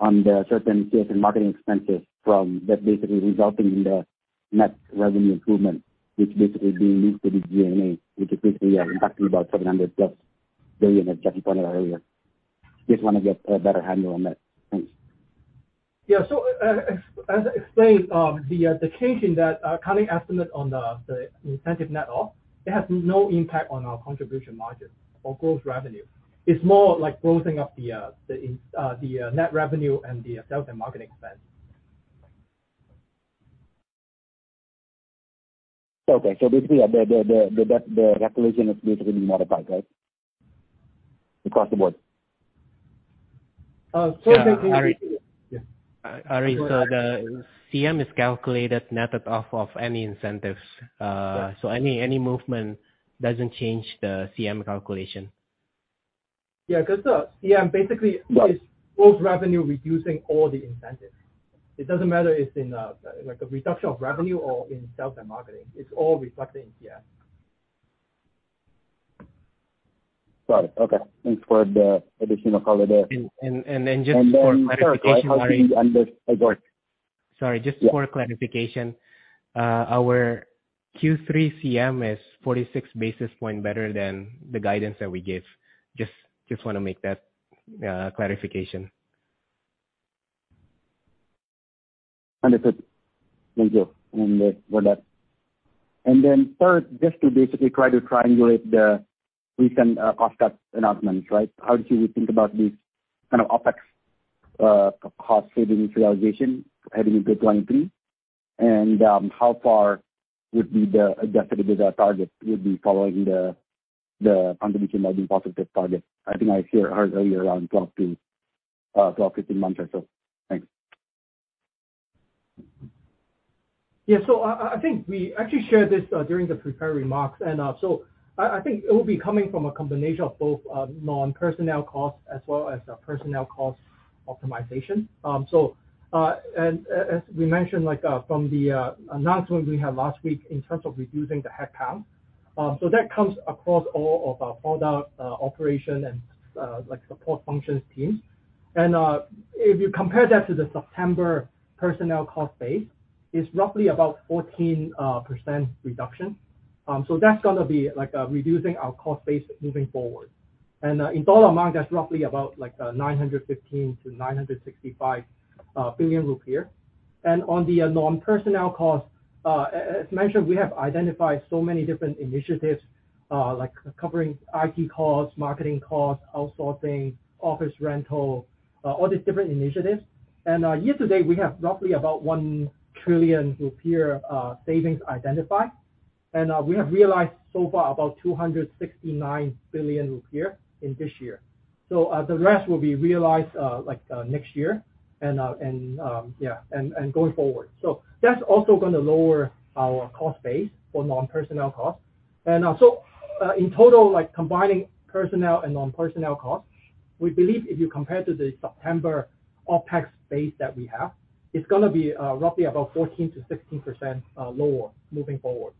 on the certain sales and marketing expenses from that basically resulting in the net revenue improvement, which basically being linked to the GNA, which effectively are impacting about IDR 700+ billion, as Jacky pointed out earlier. Just wanna get a better handle on that. Thanks. As I explained, the change in that current estimate on the incentive net off, it has no impact on our contribution margin or gross revenue. It's more like closing up the net revenue and the sales and marketing expense. Okay. Basically, the calculation is basically modified, right? Across the board. Yeah. Ari. Go ahead. The CM is calculated net of, off any incentives.. Yeah. Any movement doesn't change the CM calculation. Yeah, 'cause the CM. Right. Is both revenue reducing all the incentives. It doesn't matter if in, like a reduction of revenue or in sales and marketing. It's all reflected in CM. Got it. Okay. Thanks for the additional color there. Just for clarification, Ari. Sir, how do you understand this report? Sorry, just for clarification. Our Q3 CM is 46 basis points better than the guidance that we gave. Just wanna make that clarification. Understood. Thank you. For that. Then third, just to basically try to triangulate the recent OpEx announcements, right? How do you think about these kind of OpEx cost savings realization heading into 2023? How far would be the adjusted EBITDA target would be following the pandemic margin positive target? I think I hear earlier around 12-15 months or so. Thanks. I think we actually shared this during the prepared remarks. I think it will be coming from a combination of both non-personnel costs as well as personnel cost optimization. As we mentioned, like, from the announcement we had last week in terms of reducing the headcount, so that comes across all of our product, operation and, like, support functions team. If you compare that to the September personnel cost base, it's roughly about 14% reduction. So that's gonna be, like, reducing our cost base moving forward. In dollar amount, that's roughly about, like, 915 billion-965 billion rupiah. On the non-personnel costs, as mentioned, we have identified so many different initiatives, like covering IT costs, marketing costs, outsourcing, office rental, all these different initiatives. Year to date, we have roughly about 1 trillion rupiah savings identified. We have realized so far about 269 billion rupiah in this year. The rest will be realized like next year and yeah, and going forward. That's also gonna lower our cost base for non-personnel costs. In total, like combining personnel and non-personnel costs, we believe if you compare to the September OpEx base that we have, it's gonna be roughly about 14%-16% lower moving forward.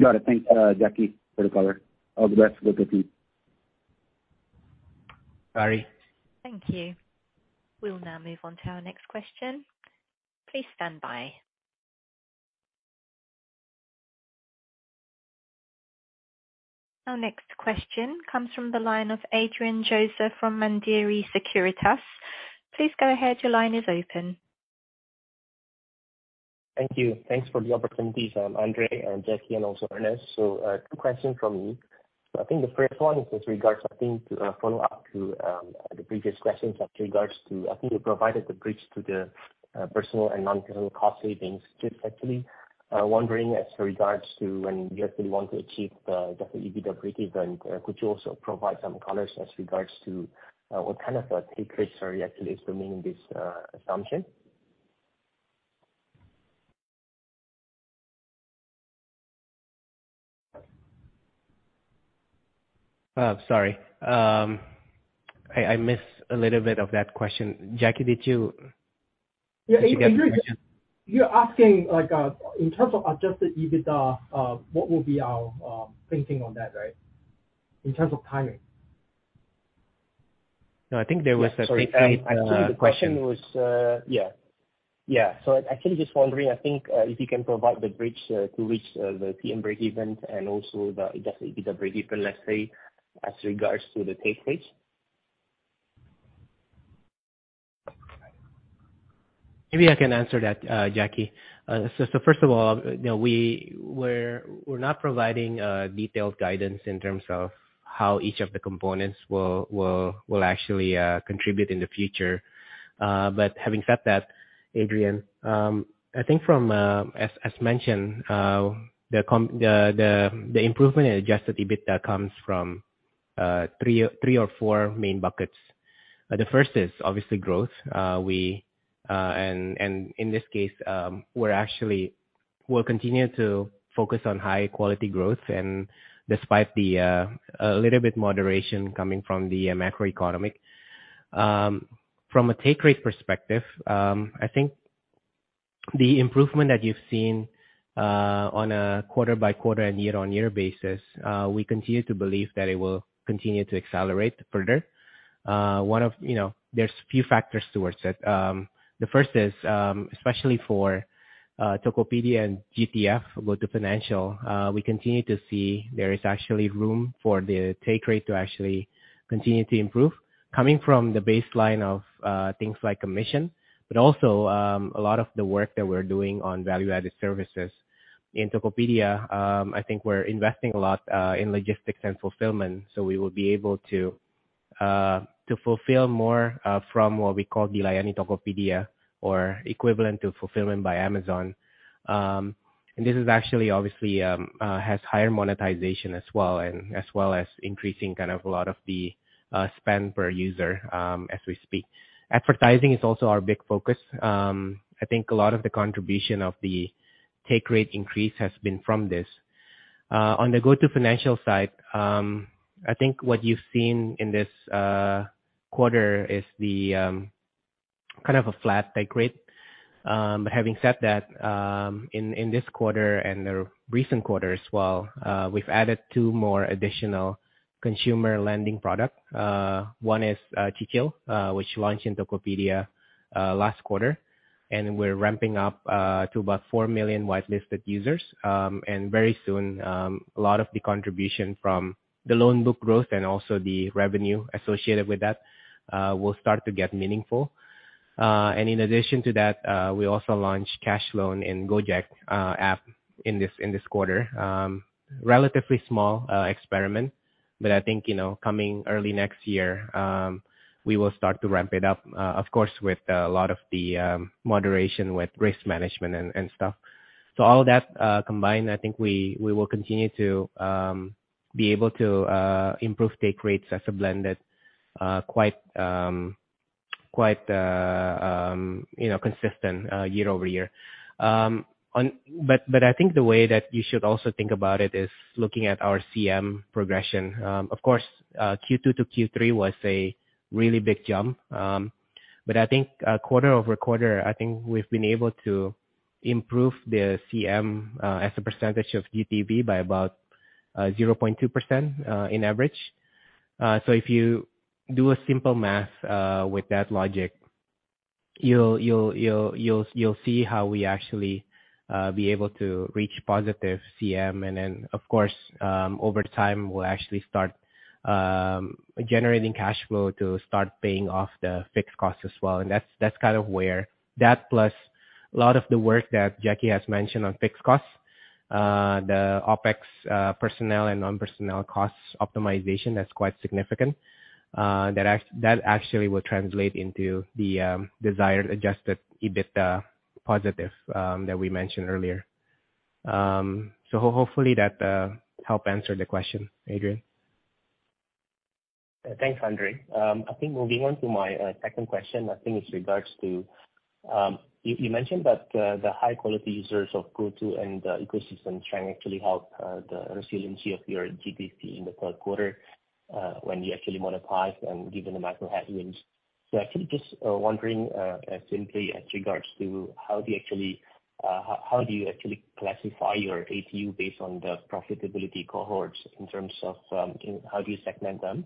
Got it. Thanks, Jacky, for the color. All the best with the team. Goodbye. Thank you. We'll now move on to our next question. Please stand by. Our next question comes from the line of Adrian Joezer from Mandiri Sekuritas. Please go ahead. Your line is open. Thank you. Thanks for the opportunities, Andre and Jacky Lo and also Ernest Fung. Two questions from me. I think the first one is with regards, I think, to a follow-up to the previous questions with regards to I think you provided the bridge to the personal and non-personal cost savings just actually. Wondering as regards to when you actually want to achieve the adjusted EBITDA breakeven, could you also provide some colors as regards to what kind of a take rate, sorry, actually is remaining in this assumption? Sorry. I missed a little bit of that question. Jacky. Yeah. You're asking, like, in terms of adjusted EBITDA, what will be our thinking on that, right? In terms of timing. No, I think there was a take rate, the question was. Yeah. actually just wondering, I think, if you can provide the bridge, to reach, the PM breakeven and also the adjusted EBITDA breakeven, let's say, as regards to the take rates. Maybe I can answer that, Jacky. First of all, you know, we're not providing detailed guidance in terms of how each of the components will actually contribute in the future. Having said that, Adrian, I think from, as mentioned, the improvement in adjusted EBITDA comes from three or four main buckets. The first is obviously growth. We, and in this case, we're actually continuing to focus on high quality growth and despite the a little bit moderation coming from the macroeconomy. From a take rate perspective, I think the improvement that you've seen on a quarter-by-quarter and year-on-year basis, we continue to believe that it will continue to accelerate further. One of, You know, there's a few factors towards it. The first is, especially for Tokopedia and GTF, GoTo Financial, we continue to see there is actually room for the take rate to actually continue to improve coming from the baseline of things like commission, but also a lot of the work that we're doing on value-added services. In Tokopedia, I think we're investing a lot in logistics and fulfillment, so we will be able to fulfill more from what we call Layanan Tokopedia or equivalent to fulfillment by Amazon. This is actually obviously has higher monetization as well and as well as increasing kind of a lot of the spend per user as we speak. Advertising is also our big focus. I think a lot of the contribution of the take rate increase has been from this. On the GoTo Financial side, I think what you've seen in this quarter is the kind of a flat take rate. Having said that, in this quarter and the recent quarter as well, we've added two more additional consumer lending product. One is Cicil, which launched in Tokopedia last quarter, and we're ramping up to about 4 million whitelisted users. Very soon, a lot of the contribution from the loan book growth and also the revenue associated with that will start to get meaningful. In addition to that, we also launched cash loan in Gojek app in this quarter. Relatively small experiment, I think, you know, coming early next year, we will start to ramp it up, of course, with a lot of the moderation with risk management and stuff. All that combined, I think we will continue to be able to improve take rates as a blended, quite, you know, consistent year-over-year. I think the way that you should also think about it is looking at our CM progression. Of course, Q2-Q3 was a really big jump. I think quarter-over-quarter, I think we've been able to improve the CM as a percentage of GTV by about 0.2% in average. If you do a simple math with that logic, you'll see how we actually be able to reach positive CM. Of course, over time, we'll actually start generating cash flow to start paying off the fixed costs as well. That's kind of where that plus a lot of the work that Jacky has mentioned on fixed costs, the OpEx, personnel and non-personnel costs optimization, that's quite significant. That actually will translate into the desired adjusted EBITDA positive that we mentioned earlier. Hopefully that help answer the question, Adrian. Thanks, Andre. I think moving on to my second question, I think it's regards to, you mentioned that the high quality users of GoTo and the ecosystem trying to actually help the resiliency of your GDP in the third quarter, when you actually monetize and given the macro headwinds. Actually just wondering, simply as regards to how do you actually classify your ATU based on the profitability cohorts in terms of, you know, how do you segment them?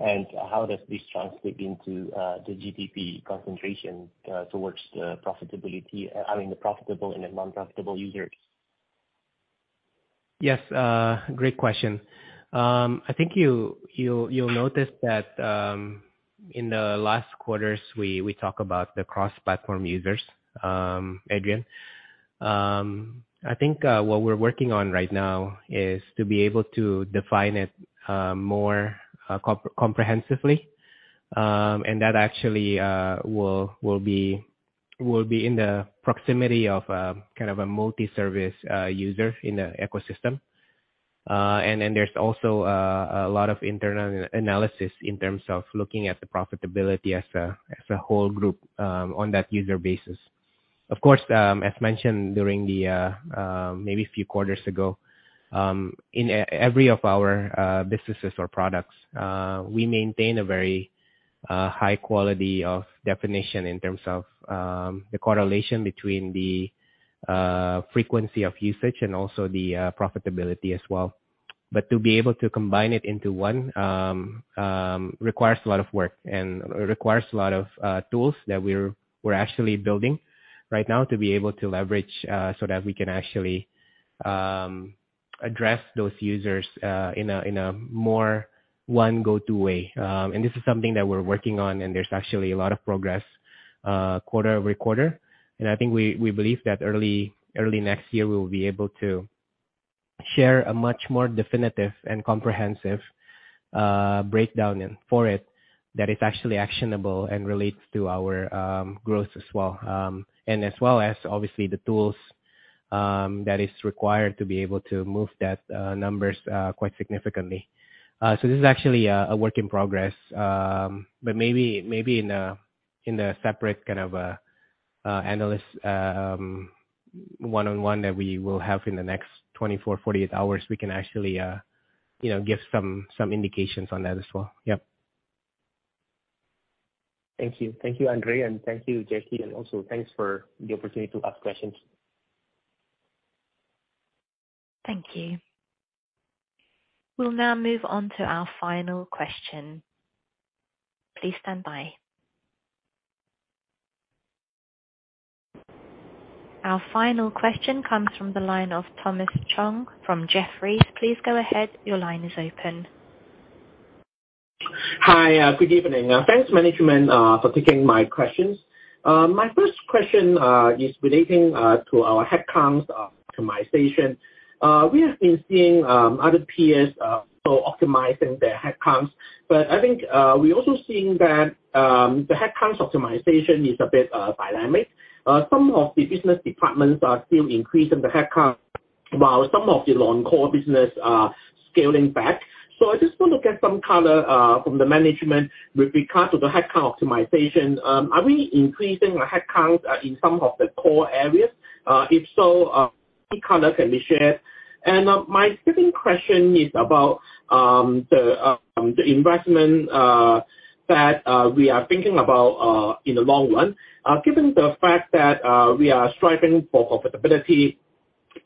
How does this translate into the GDP concentration towards the profitability, I mean, the profitable and the non-profitable users? Yes. great question. I think you'll notice that in the last quarters, we talk about the cross-platform users, Adrian. I think what we're working on right now is to be able to define it more comprehensively. That actually will be in the proximity of kind of a multi-service user in the ecosystem. Then there's also a lot of internal analysis in terms of looking at the profitability as a whole group on that user basis. Of course, as mentioned during the, maybe a few quarters ago, in every of our businesses or products, we maintain a very high quality of definition in terms of the correlation between the frequency of usage and also the profitability as well. To be able to combine it into one, requires a lot of work and requires a lot of tools that we're actually building right now to be able to leverage, so that we can actually address those users in a more one GoTo way. This is something that we're working on, and there's actually a lot of progress quarter-over-quarter. I think we believe that early next year, we will be able to share a much more definitive and comprehensive breakdown in for it that is actually actionable and relates to our growth as well. As well as obviously the tools that is required to be able to move that numbers quite significantly. So this is actually a work in progress. But maybe in a, in a separate kind of analyst one-on-one that we will have in the next 24, 48 hours, we can actually, you know, give some indications on that as well. Yep. Thank you. Thank you, Andre, and thank you, Jacky. Also thanks for the opportunity to ask questions. Thank you. We'll now move on to our final question. Please stand by. Our final question comes from the line of Thomas Chong from Jefferies. Please go ahead. Your line is open. Hi, good evening. Thanks, management, for taking my questions. My first question is relating to our headcounts optimization. We have been seeing other peers so optimizing their headcounts. I think, we're also seeing that the headcounts optimization is a bit dynamic. Some of the business departments are still increasing the headcount, while some of the non-core business are scaling back. I just want to get some color from the management with regard to the headcount optimization. Are we increasing the headcount in some of the core areas? If so, what color can be shared? My second question is about the investment that we are thinking about in the long run. Given the fact that we are striving for profitability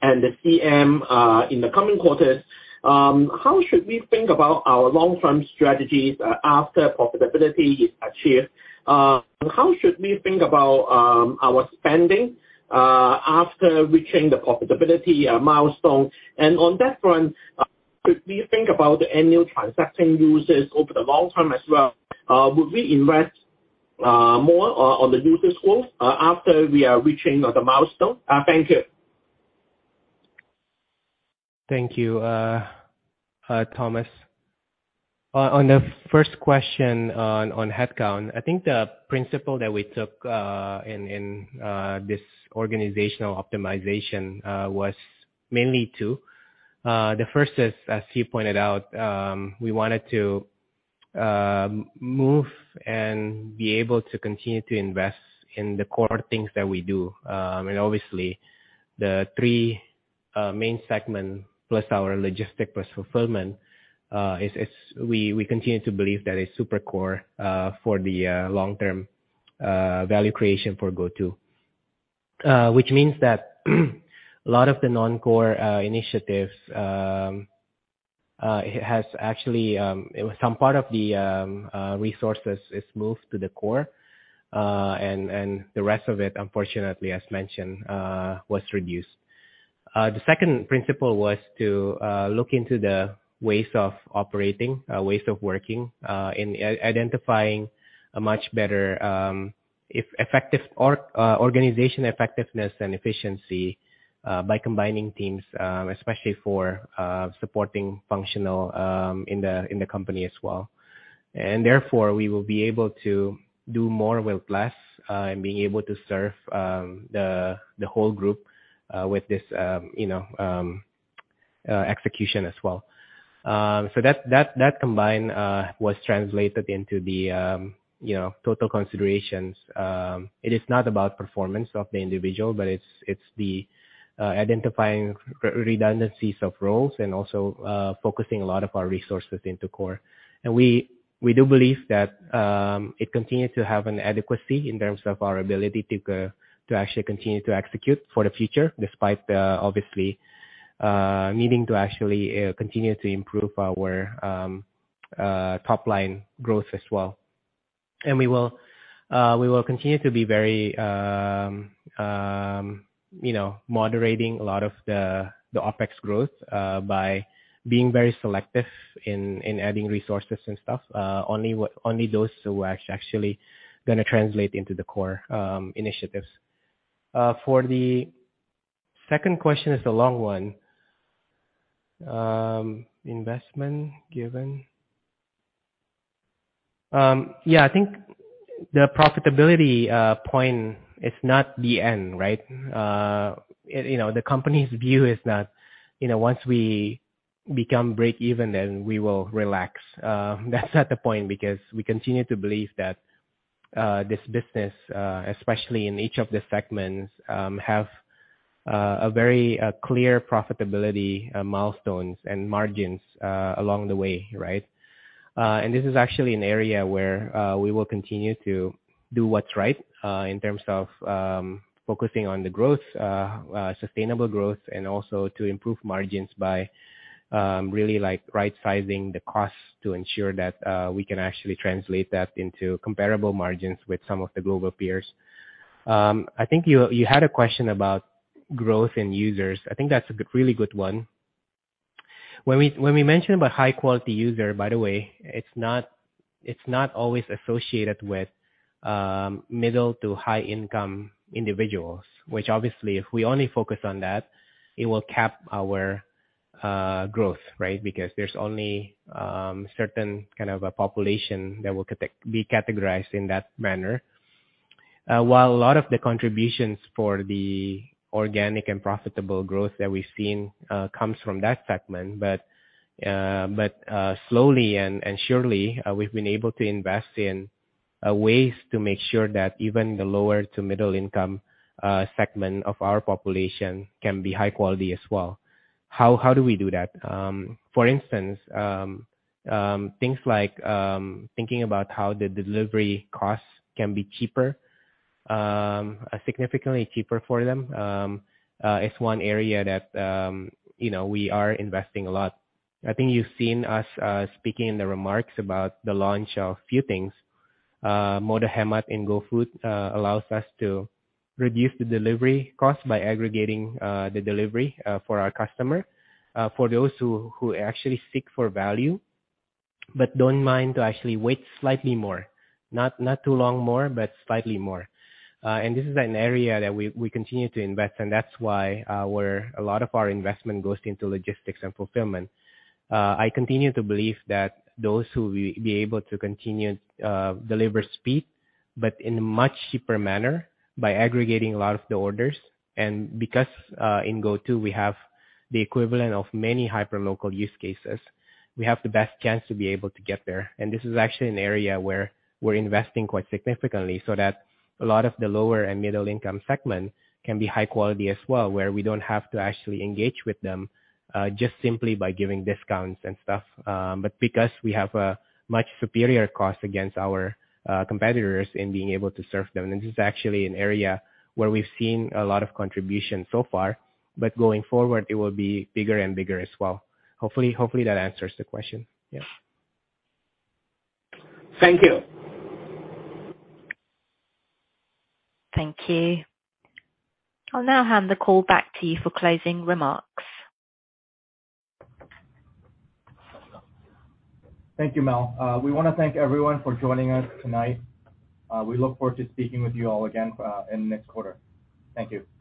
and the CM in the coming quarters, how should we think about our long-term strategies after profitability is achieved? How should we think about our spending after reaching the profitability milestone, and on that front, could we think about the annual transacting users over the long term as well? Would we invest more on the user growth after we are reaching the milestone? Thank you. Thank you, Thomas. On the first question on headcount, I think the principle that we took in this organizational optimization was mainly two. The first is, as you pointed out, we wanted to move and be able to continue to invest in the core things that we do. Obviously the three main segment plus our logistic plus fulfillment is we continue to believe that it's super core for the long-term value creation for GoTo. Which means that a lot of the non-core initiatives, some part of the resources is moved to the core, and the rest of it, unfortunately, as mentioned, was reduced. The second principle was to look into the ways of operating, ways of working, in identifying a much better, if effective or organization effectiveness and efficiency, by combining teams, especially for supporting functional, in the company as well. Therefore, we will be able to do more with less, and being able to serve the whole group with this, you know, execution as well. That combined was translated into the, you know, total considerations. It is not about performance of the individual, but it's the identifying redundancies of roles and also focusing a lot of our resources into core. We do believe that it continues to have an adequacy in terms of our ability to actually continue to execute for the future, despite the obviously needing to actually continue to improve our top line growth as well. We will continue to be very, you know, moderating a lot of the OpEx growth by being very selective in adding resources and stuff, only those who are actually gonna translate into the core initiatives. For the second question is the long one. Investment given. Yeah, I think the profitability point is not the end, right? You know, the company's view is not, you know, once we become break even, then we will relax. That's not the point because we continue to believe that this business, especially in each of the segments, have a very clear profitability milestones and margins along the way, right? This is actually an area where we will continue to do what's right in terms of focusing on the growth, sustainable growth and also to improve margins by really like right sizing the costs to ensure that we can actually translate that into comparable margins with some of the global peers. I think you had a question about growth in users. I think that's a good, really good one. When we mention about high quality user, by the way, it's not always associated with middle to high income individuals. Obviously if we only focus on that, it will cap our growth, right. There's only certain kind of a population that will be categorized in that manner. A lot of the contributions for the organic and profitable growth that we've seen, comes from that segment, but slowly and surely, we've been able to invest in ways to make sure that even the lower to middle income segment of our population can be high quality as well. How do we do that? For instance, things like thinking about how the delivery costs can be cheaper, significantly cheaper for them, is one area that, you know, we are investing a lot. I think you've seen us speaking in the remarks about the launch of a few things. Mode Hemat in GoFood allows us to reduce the delivery cost by aggregating the delivery for our customer, for those who actually seek for value, but don't mind to actually wait slightly more. Not too long more, but slightly more. And this is an area that we continue to invest, and that's why a lot of our investment goes into logistics and fulfillment. I continue to believe that those who we be able to continue deliver speed, but in a much cheaper manner by aggregating a lot of the orders. Because in GoTo, we have the equivalent of many hyperlocal use cases, we have the best chance to be able to get there. This is actually an area where we're investing quite significantly so that a lot of the lower and middle income segment can be high quality as well, where we don't have to actually engage with them, just simply by giving discounts and stuff. Because we have a much superior cost against our competitors in being able to serve them, and this is actually an area where we've seen a lot of contribution so far. Going forward, it will be bigger and bigger as well. Hopefully, that answers the question. Yeah. Thank you. Thank you. I'll now hand the call back to you for closing remarks. Thank you, Mel. We wanna thank everyone for joining us tonight. We look forward to speaking with you all again in the next quarter. Thank you.